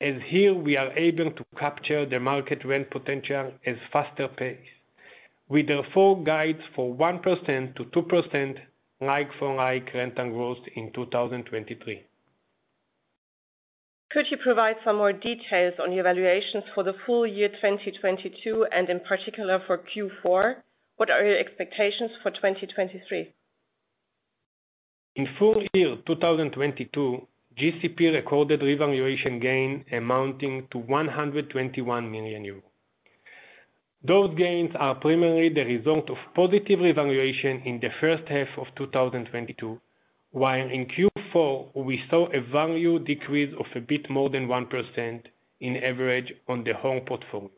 as here we are able to capture the market rent potential at a faster pace. We therefore guide for 1%-2% like-for-like rental growth in 2023. Could you provide some more details on your valuations for the full year 2022, and in particular for Q4? What are your expectations for 2023? In full year 2022, GCP recorded revaluation gain amounting to 121 million euros. Those gains are primarily the result of positive revaluation in the first half of 2022, while in Q4, we saw a value decrease of a bit more than 1% in average on the whole portfolio.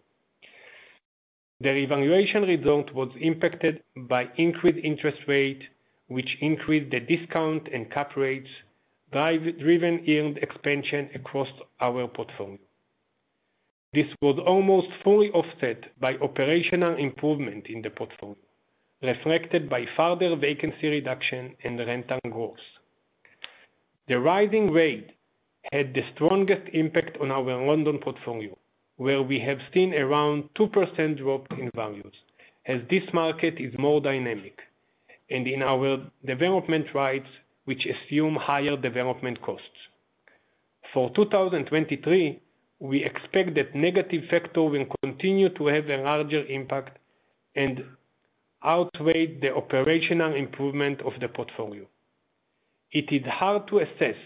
The revaluation result was impacted by increased interest rate, which increased the discount and cap rates driven yield expansion across our portfolio. This was almost fully offset by operational improvement in the portfolio, reflected by further vacancy reduction and rental growth. The rising rate had the strongest impact on our London portfolio, where we have seen around 2% drop in values, as this market is more dynamic. In our development rights, which assume higher development costs. For 2023, we expect that negative factor will continue to have a larger impact and outweigh the operational improvement of the portfolio. It is hard to assess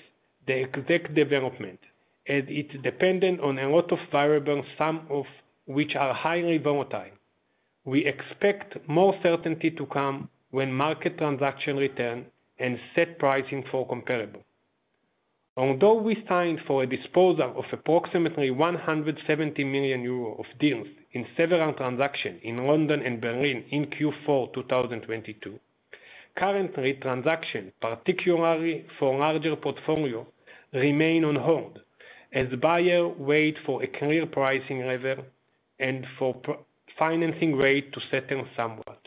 the exact development as it's dependent on a lot of variables, some of which are highly volatile. We expect more certainty to come when market transaction return and set pricing for comparable. Although we signed for a disposal of approximately 170 million euro of deals in several transactions in London and Berlin in Q4 2022, currently transaction, particularly for larger portfolio, remain on hold as buyer wait for a clear pricing level and for financing rate to settle somewhat.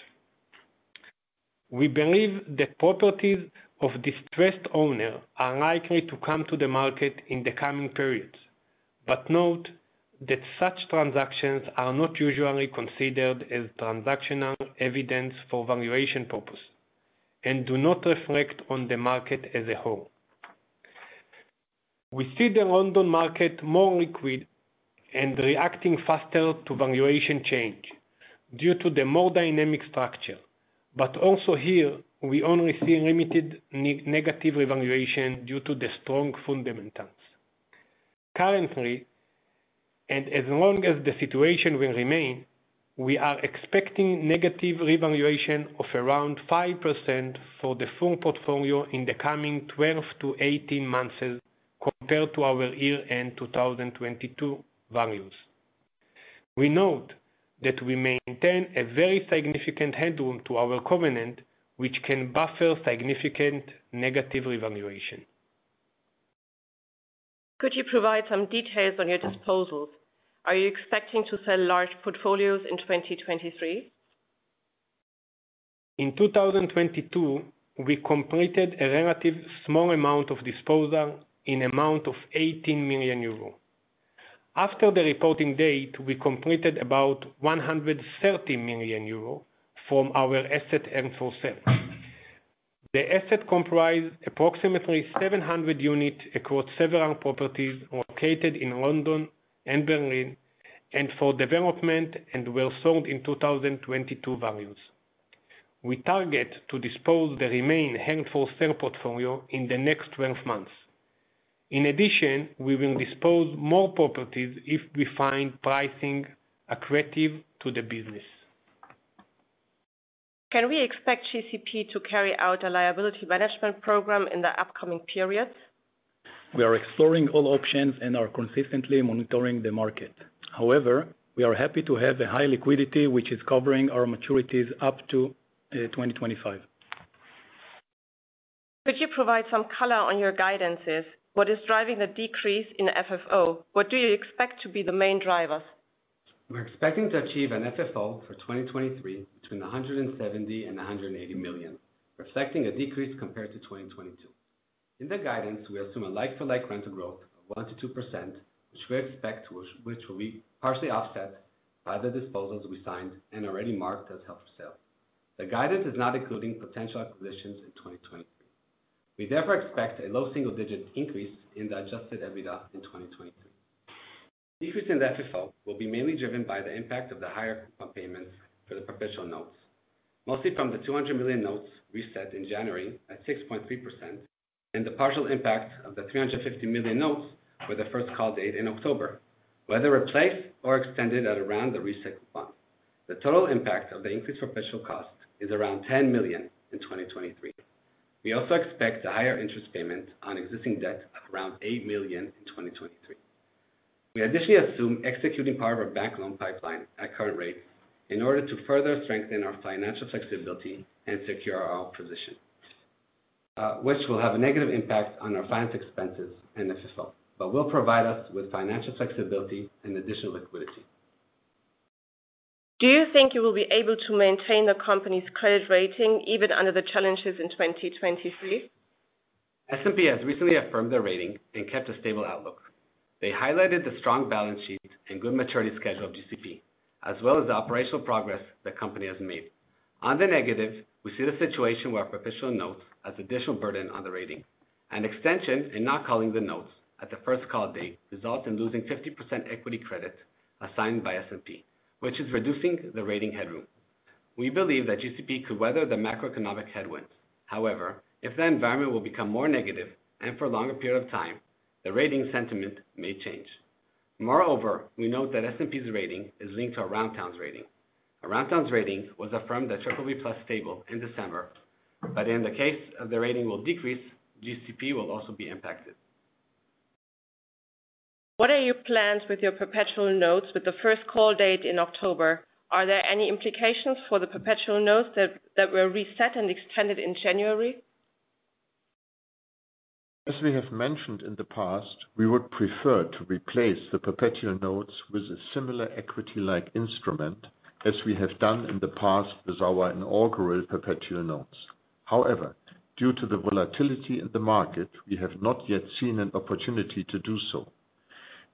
We believe that properties of distressed owner are likely to come to the market in the coming periods. Note that such transactions are not usually considered as transactional evidence for valuation purpose and do not reflect on the market as a whole. We see the London market more liquid and reacting faster to valuation change due to the more dynamic structure. Also here, we only see limited negative revaluation due to the strong fundamentals. Currently, and as long as the situation will remain, we are expecting negative revaluation of around 5% for the full portfolio in the coming 12-18 months compared to our year-end 2022 values. We note that we maintain a very significant headroom to our covenant, which can buffer significant negative revaluation. Could you provide some details on your disposals? Are you expecting to sell large portfolios in 2023? In 2022, we completed a relative small amount of disposal in amount of 18 million euro. After the reporting date, we completed about 130 million euro from our asset held for sale. The asset comprise approximately 700 units across several properties located in London and Berlin, and for development, and were sold in 2022 values. We target to dispose the remaining held for sale portfolio in the next 12 months. In addition, we will dispose more properties if we find pricing accretive to the business. Can we expect GCP to carry out a liability management program in the upcoming periods? We are exploring all options and are consistently monitoring the market. We are happy to have a high liquidity, which is covering our maturities up to 2025. Could you provide some color on your guidances? What is driving the decrease in FFO? What do you expect to be the main drivers? We're expecting to achieve an FFO for 2023 between 170 million and 180 million, reflecting a decrease compared to 2022. In the guidance, we assume a like-for-like rental growth of 1%-2%, which we expect, which will be partially offset by the disposals we signed and already marked as held for sale. The guidance is not including potential acquisitions in 2023. We therefore expect a low single-digit increase in the adjusted EBITDA in 2023. Decrease in the FFO will be mainly driven by the impact of the higher coupon payments for the perpetual notes, mostly from the 200 million notes reset in January at 6.3%, and the partial impact of the 350 million notes with the first call date in October, were either replaced or extended at around the reset coupon. The total impact of the increased perpetual cost is around 10 million in 2023. We also expect a higher interest payment on existing debt at around 8 million in 2023. We additionally assume executing part of our bank loan pipeline at current rates in order to further strengthen our financial flexibility and secure our position. Which will have a negative impact on our finance expenses and FFO, but will provide us with financial flexibility and additional liquidity. Do you think you will be able to maintain the company's credit rating even under the challenges in 2023? S&P has recently affirmed their rating and kept a stable outlook. They highlighted the strong balance sheet and good maturity schedule of GCP, as well as the operational progress the company has made. On the negative, we see the situation where perpetual notes as additional burden on the rating. An extension in not calling the notes at the first call date results in losing 50% equity credit assigned by S&P, which is reducing the rating headroom. We believe that GCP could weather the macroeconomic headwinds. If the environment will become more negative and for a longer period of time, the rating sentiment may change. Moreover, we note that S&P's rating is linked to Aroundtown's rating. Aroundtown's rating was affirmed at BBB+ stable in December. In the case of the rating will decrease, GCP will also be impacted. What are your plans with your perpetual notes with the first call date in October? Are there any implications for the perpetual notes that were reset and extended in January? As we have mentioned in the past, we would prefer to replace the perpetual notes with a similar equity-like instrument as we have done in the past with our inaugural perpetual notes. Due to the volatility in the market, we have not yet seen an opportunity to do so.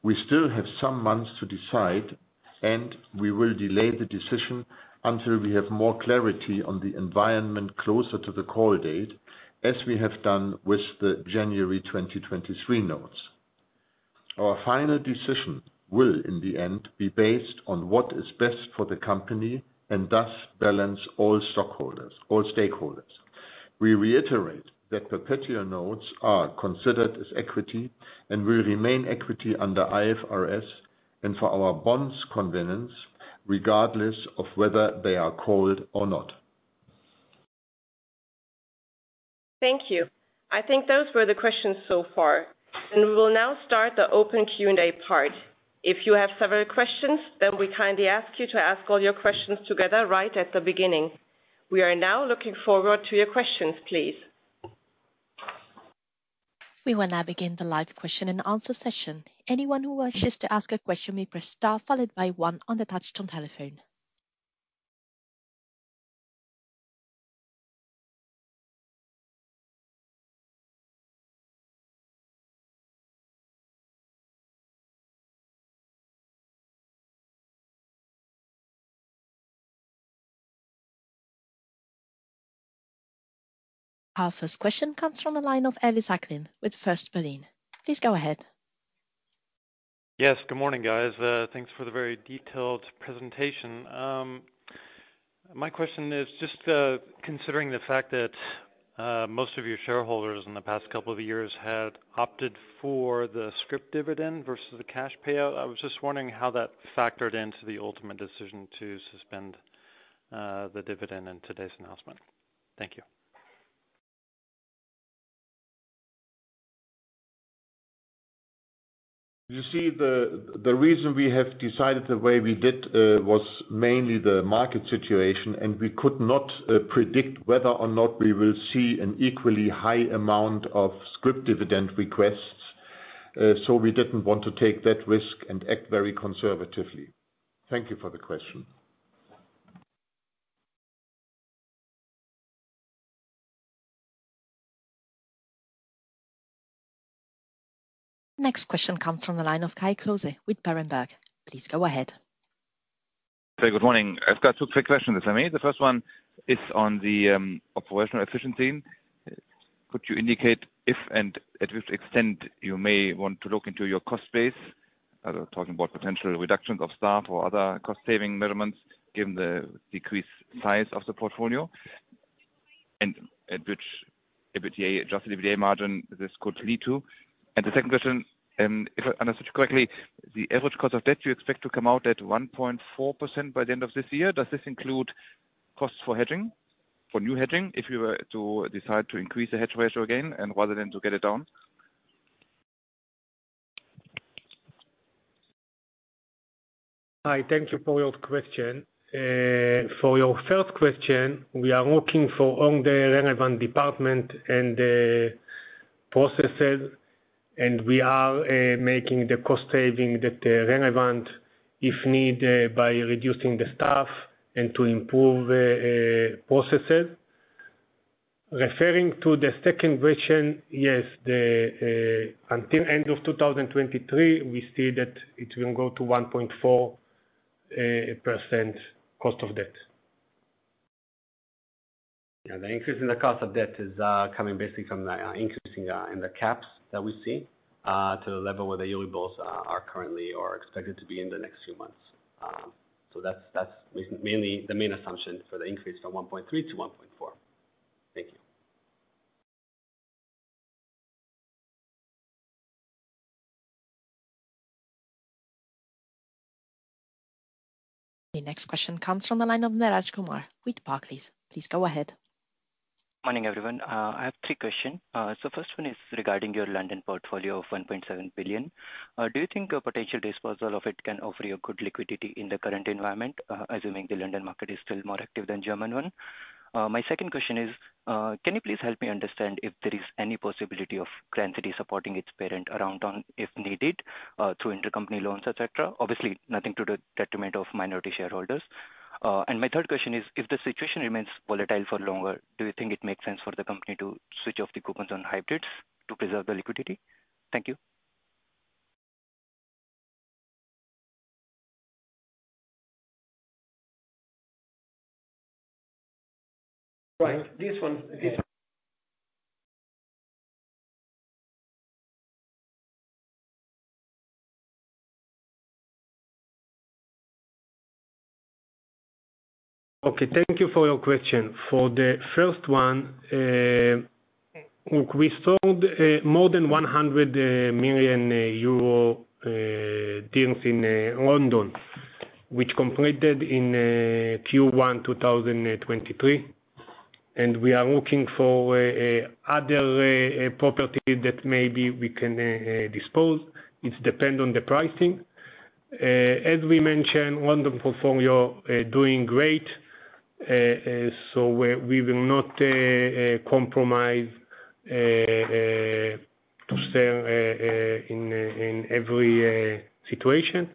We still have some months to decide, and we will delay the decision until we have more clarity on the environment closer to the call date, as we have done with the January 2023 notes. Our final decision will, in the end, be based on what is best for the company and thus balance all stakeholders. We reiterate that perpetual notes are considered as equity and will remain equity under IFRS and for our bonds covenants, regardless of whether they are called or not. Thank you. I think those were the questions so far. We will now start the open Q&A part. If you have several questions, we kindly ask you to ask all your questions together right at the beginning. We are now looking forward to your questions, please. We will now begin the live question and answer session. Anyone who wishes to ask a question may press star followed by one on the touchtone telephone. Our first question comes from the line of Ellis Acklin with First Berlin. Please go ahead. Yes, good morning, guys. Thanks for the very detailed presentation. My question is just considering the fact that most of your shareholders in the past couple of years had opted for the scrip dividend versus the cash payout. I was just wondering how that factored into the ultimate decision to suspend the dividend in today's announcement. Thank you. You see, the reason we have decided the way we did was mainly the market situation. We could not predict whether or not we will see an equally high amount of scrip dividend requests. We didn't want to take that risk and act very conservatively. Thank you for the question. Next question comes from the line of Kai Klose with Berenberg. Please go ahead. Very good morning. I've got two quick questions, if I may. The first one is on the operational efficiency. Could you indicate if and at which extent you may want to look into your cost base? Talking about potential reductions of staff or other cost-saving measurements, given the decreased size of the portfolio. At which adjusted EBITDA margin this could lead to? The second question, if I understood correctly, the average cost of debt you expect to come out at 1.4% by the end of this year. Does this include costs for hedging, for new hedging, if you were to decide to increase the hedge ratio again and rather than to get it down? Hi. Thank you for your question. For your first question, we are looking for all the relevant department and the processes, and we are making the cost saving that relevant, if needed, by reducing the staff and to improve processes. Referring to the second question, yes, until end of 2023, we see that it will go to 1.4% cost of debt. Yeah. The increase in the cost of debt is coming basically from the increasing in the caps that we see to the level where the Euribor are currently or expected to be in the next few months. That's the main assumption for the increase from 1.3% to 1.4%. Thank you. The next question comes from the line of Neeraj Kumar with Barclays. Please go ahead. Morning, everyone. I have three question. First one is regarding your London portfolio of 1.7 billion. Do you think a potential disposal of it can offer you good liquidity in the current environment, assuming the London market is still more active than German one? My second question is, can you please help me understand if there is any possibility of Grand City supporting its parent Aroundtown if needed, through intercompany loans, et cetera? Obviously, nothing to the detriment of minority shareholders. My third question is, if the situation remains volatile for longer, do you think it makes sense for the company to switch off the coupons on hybrids to preserve the liquidity? Thank you. Right. This one for Refael. Okay, thank you for your question. For the first one, we sold more than 100 million euro deals in London, which completed in Q1 2023, and we are looking for other property that maybe we can dispose. It depend on the pricing. As we mentioned, London portfolio doing great. We will not compromise to sell in every situation.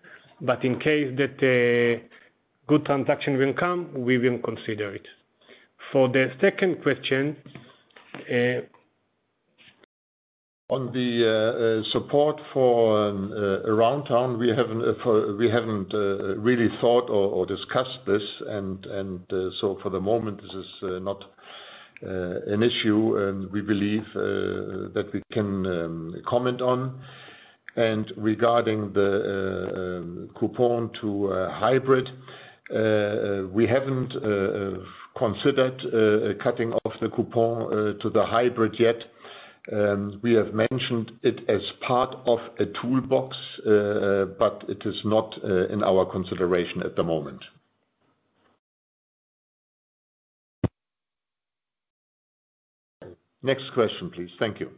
In case that a good transaction will come, we will consider it. For the second question. On the support for Aroundtown, we haven't really thought or discussed this. For the moment, this is not an issue we believe that we can comment on. Regarding the coupon to hybrid, we haven't considered cutting off the coupon to the hybrid yet. We have mentioned it as part of a toolbox, but it is not in our consideration at the moment. Next question, please. Thank you.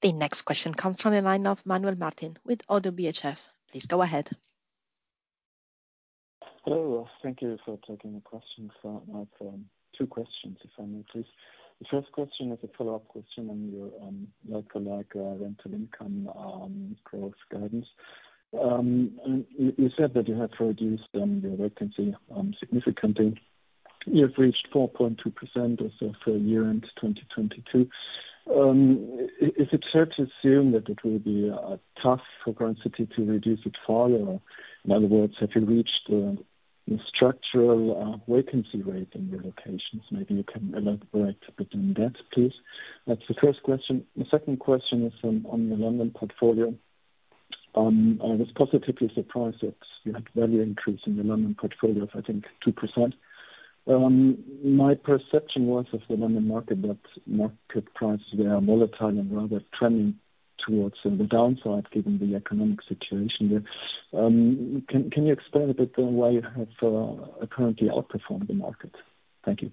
The next question comes from the line of Manuel Martin with Oddo BHF. Please go ahead. Hello. Thank you for taking the question. I have two questions, if I may, please. The first question is a follow-up question on your like-for-like rental income growth guidance. You said that you have reduced your vacancy significantly. You've reached 4.2% or so for year-end 2022. Is it fair to assume that it will be tough for Grand City to reduce it further? In other words, have you reached the structural vacancy rate in your locations? Maybe you can elaborate a bit on that, please. That's the first question. The second question is on the London portfolio. I was positively surprised that you had value increase in the London portfolio of, I think, 2%. My perception was of the London market that market prices there are volatile and rather trending towards the downside given the economic situation there. Can you explain a bit why you have currently outperformed the market? Thank you.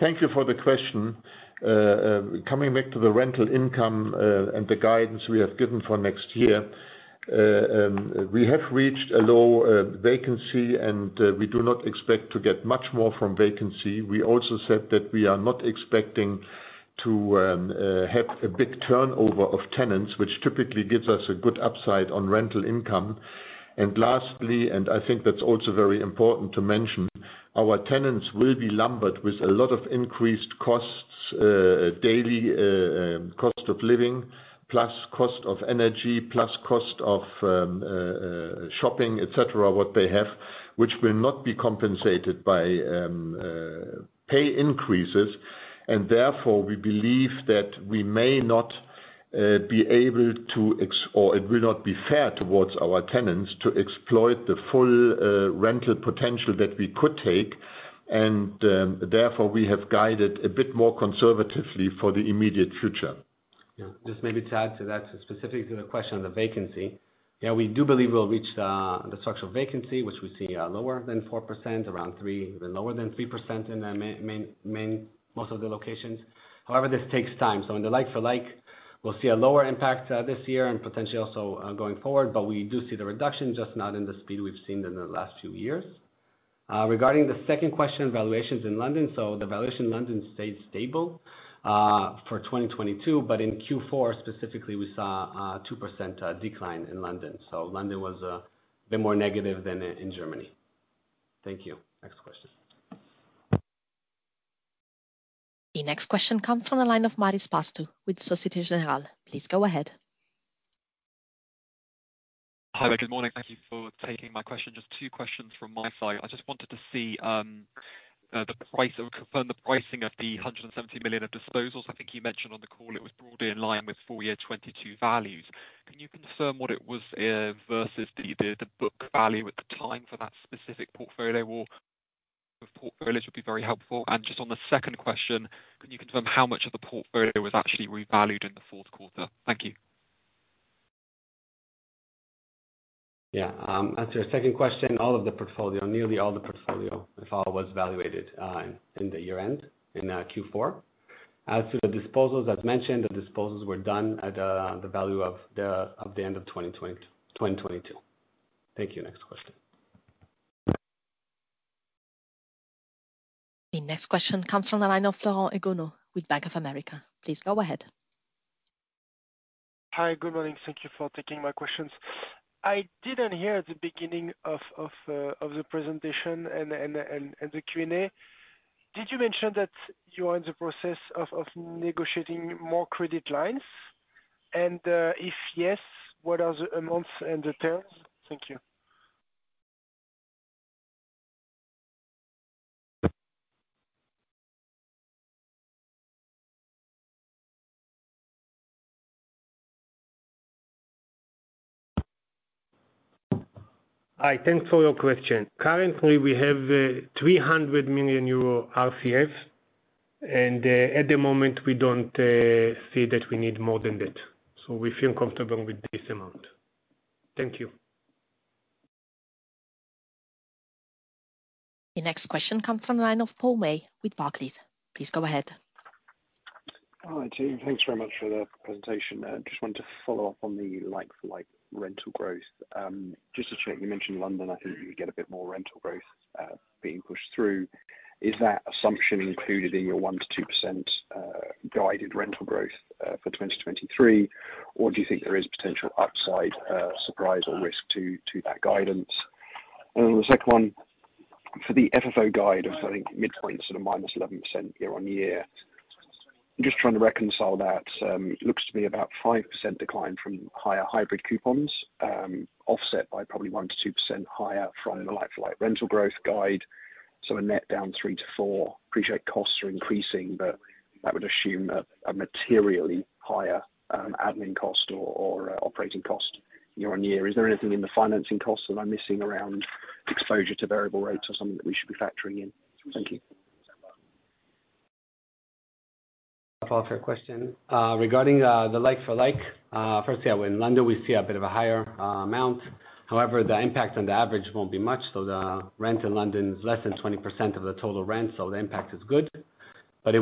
Thank you for the question. Coming back to the rental income and the guidance we have given for next year. We have reached a low vacancy, and we do not expect to get much more from vacancy. We also said that we are not expecting to have a big turnover of tenants, which typically gives us a good upside on rental income. Lastly, and I think that's also very important to mention, our tenants will be lumbered with a lot of increased costs, daily cost of living, plus cost of energy, plus cost of shopping, et cetera, what they have, which will not be compensated by pay increases. Therefore, we believe that we may not be able to, or it will not be fair towards our tenants to exploit the full rental potential that we could take. Therefore, we have guided a bit more conservatively for the immediate future. Just maybe to add to that, specifically to the question of the vacancy. We do believe we'll reach the structural vacancy, which we see lower than 4%, around three, even lower than 3% in most of the locations. However, this takes time. In the like-for-like, we'll see a lower impact this year and potentially also going forward, but we do see the reduction, just not in the speed we've seen in the last two years. Regarding the second question, valuations in London. The valuation in London stayed stable for 2022. In Q4 specifically, we saw a 2% decline in London. London was a bit more negative than in Germany. Thank you. Next question. The next question comes from the line of Marios Pastou with Societe Generale. Please go ahead. Hi. Good morning. Thank you for taking my question. Just two questions from my side. I just wanted to see the price, or confirm the pricing of the 170 million of disposals. I think you mentioned on the call it was broadly in line with full year 2022 values. Can you confirm what it was versus the book value at the time for that specific portfolio? Or portfolios would be very helpful. Just on the second question, can you confirm how much of the portfolio was actually revalued in the fourth quarter? Thank you. To answer your second question, nearly all the portfolio was valuated in the year-end, in Q4. As to the disposals, as mentioned, the disposals were done at the value of the end of 2022. Thank you. Next question. The next question comes from the line of [Florent Nitu] with Bank of America. Please go ahead. Hi. Good morning. Thank you for taking my questions. I didn't hear at the beginning of the presentation and the Q&A. Did you mention that you are in the process of negotiating more credit lines? If yes, what are the amounts and the terms? Thank you. Hi, thanks for your question. Currently, we have 300 million euro RCF. At the moment, we don't see that we need more than that. We feel comfortable with this amount. Thank you. The next question comes from the line of Paul May with Barclays. Please go ahead. Hi, team. Thanks very much for the presentation. Just wanted to follow up on the like-for-like rental growth. Just to check, you mentioned London, I think you would get a bit more rental growth being pushed through. Is that assumption included in your 1%-2% guided rental growth for 2023? Do you think there is potential upside surprise or risk to that guidance? On the second one, for the FFO guide of, I think, midpoint sort of -11% year-on-year. I'm just trying to reconcile that. It looks to be about 5% decline from higher hybrid coupons, offset by probably 1%-2% higher from the like-for-like rental growth guide. A net down 3%-4%. Appreciate costs are increasing, but that would assume a materially higher admin cost or operating cost year-on-year. Is there anything in the financing cost that I'm missing around exposure to variable rates or something that we should be factoring in? Thank you. Follow-up for your question. Regarding the like-for-like, firstly, in London, we see a bit of a higher amount. However, the impact on the average won't be much. The rent in London is less than 20% of the total rent, the impact is good. It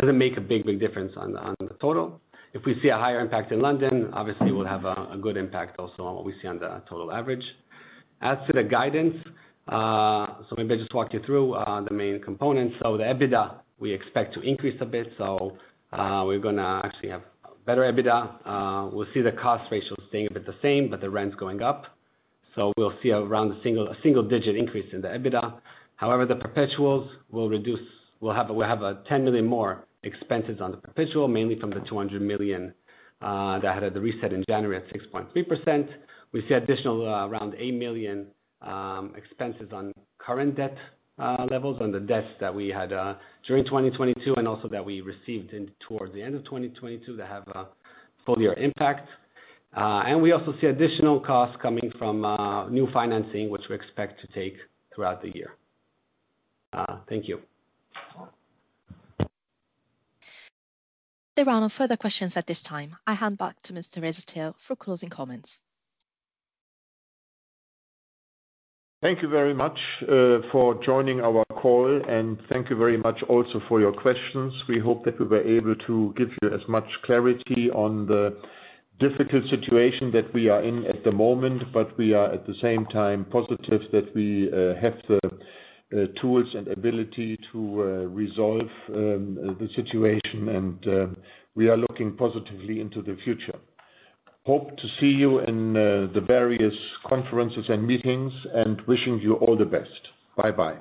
doesn't make a big, big difference on the total. If we see a higher impact in London, obviously we'll have a good impact also on what we see on the total average. As to the guidance, maybe I just walk you through the main components. The EBITDA, we expect to increase a bit. We're going to actually have better EBITDA. We'll see the cost ratio staying a bit the same, the rent's going up. We'll see around a single digit increase in the EBITDA. However, the perpetuals will reduce. We'll have 10 million more expenses on the perpetual, mainly from the 200 million that had the reset in January at 6.3%. We see additional around 8 million expenses on current debt levels on the debts that we had during 2022 and also that we received towards the end of 2022 that have a full year impact. We also see additional costs coming from new financing, which we expect to take throughout the year. Thank you. There are no further questions at this time. I hand back to Mr. Windfuhr for closing comments. Thank you very much for joining our call, and thank you very much also for your questions. We hope that we were able to give you as much clarity on the difficult situation that we are in at the moment. We are at the same time positive that we have the tools and ability to resolve the situation. We are looking positively into the future. Hope to see you in the various conferences and meetings, and wishing you all the best. Bye-bye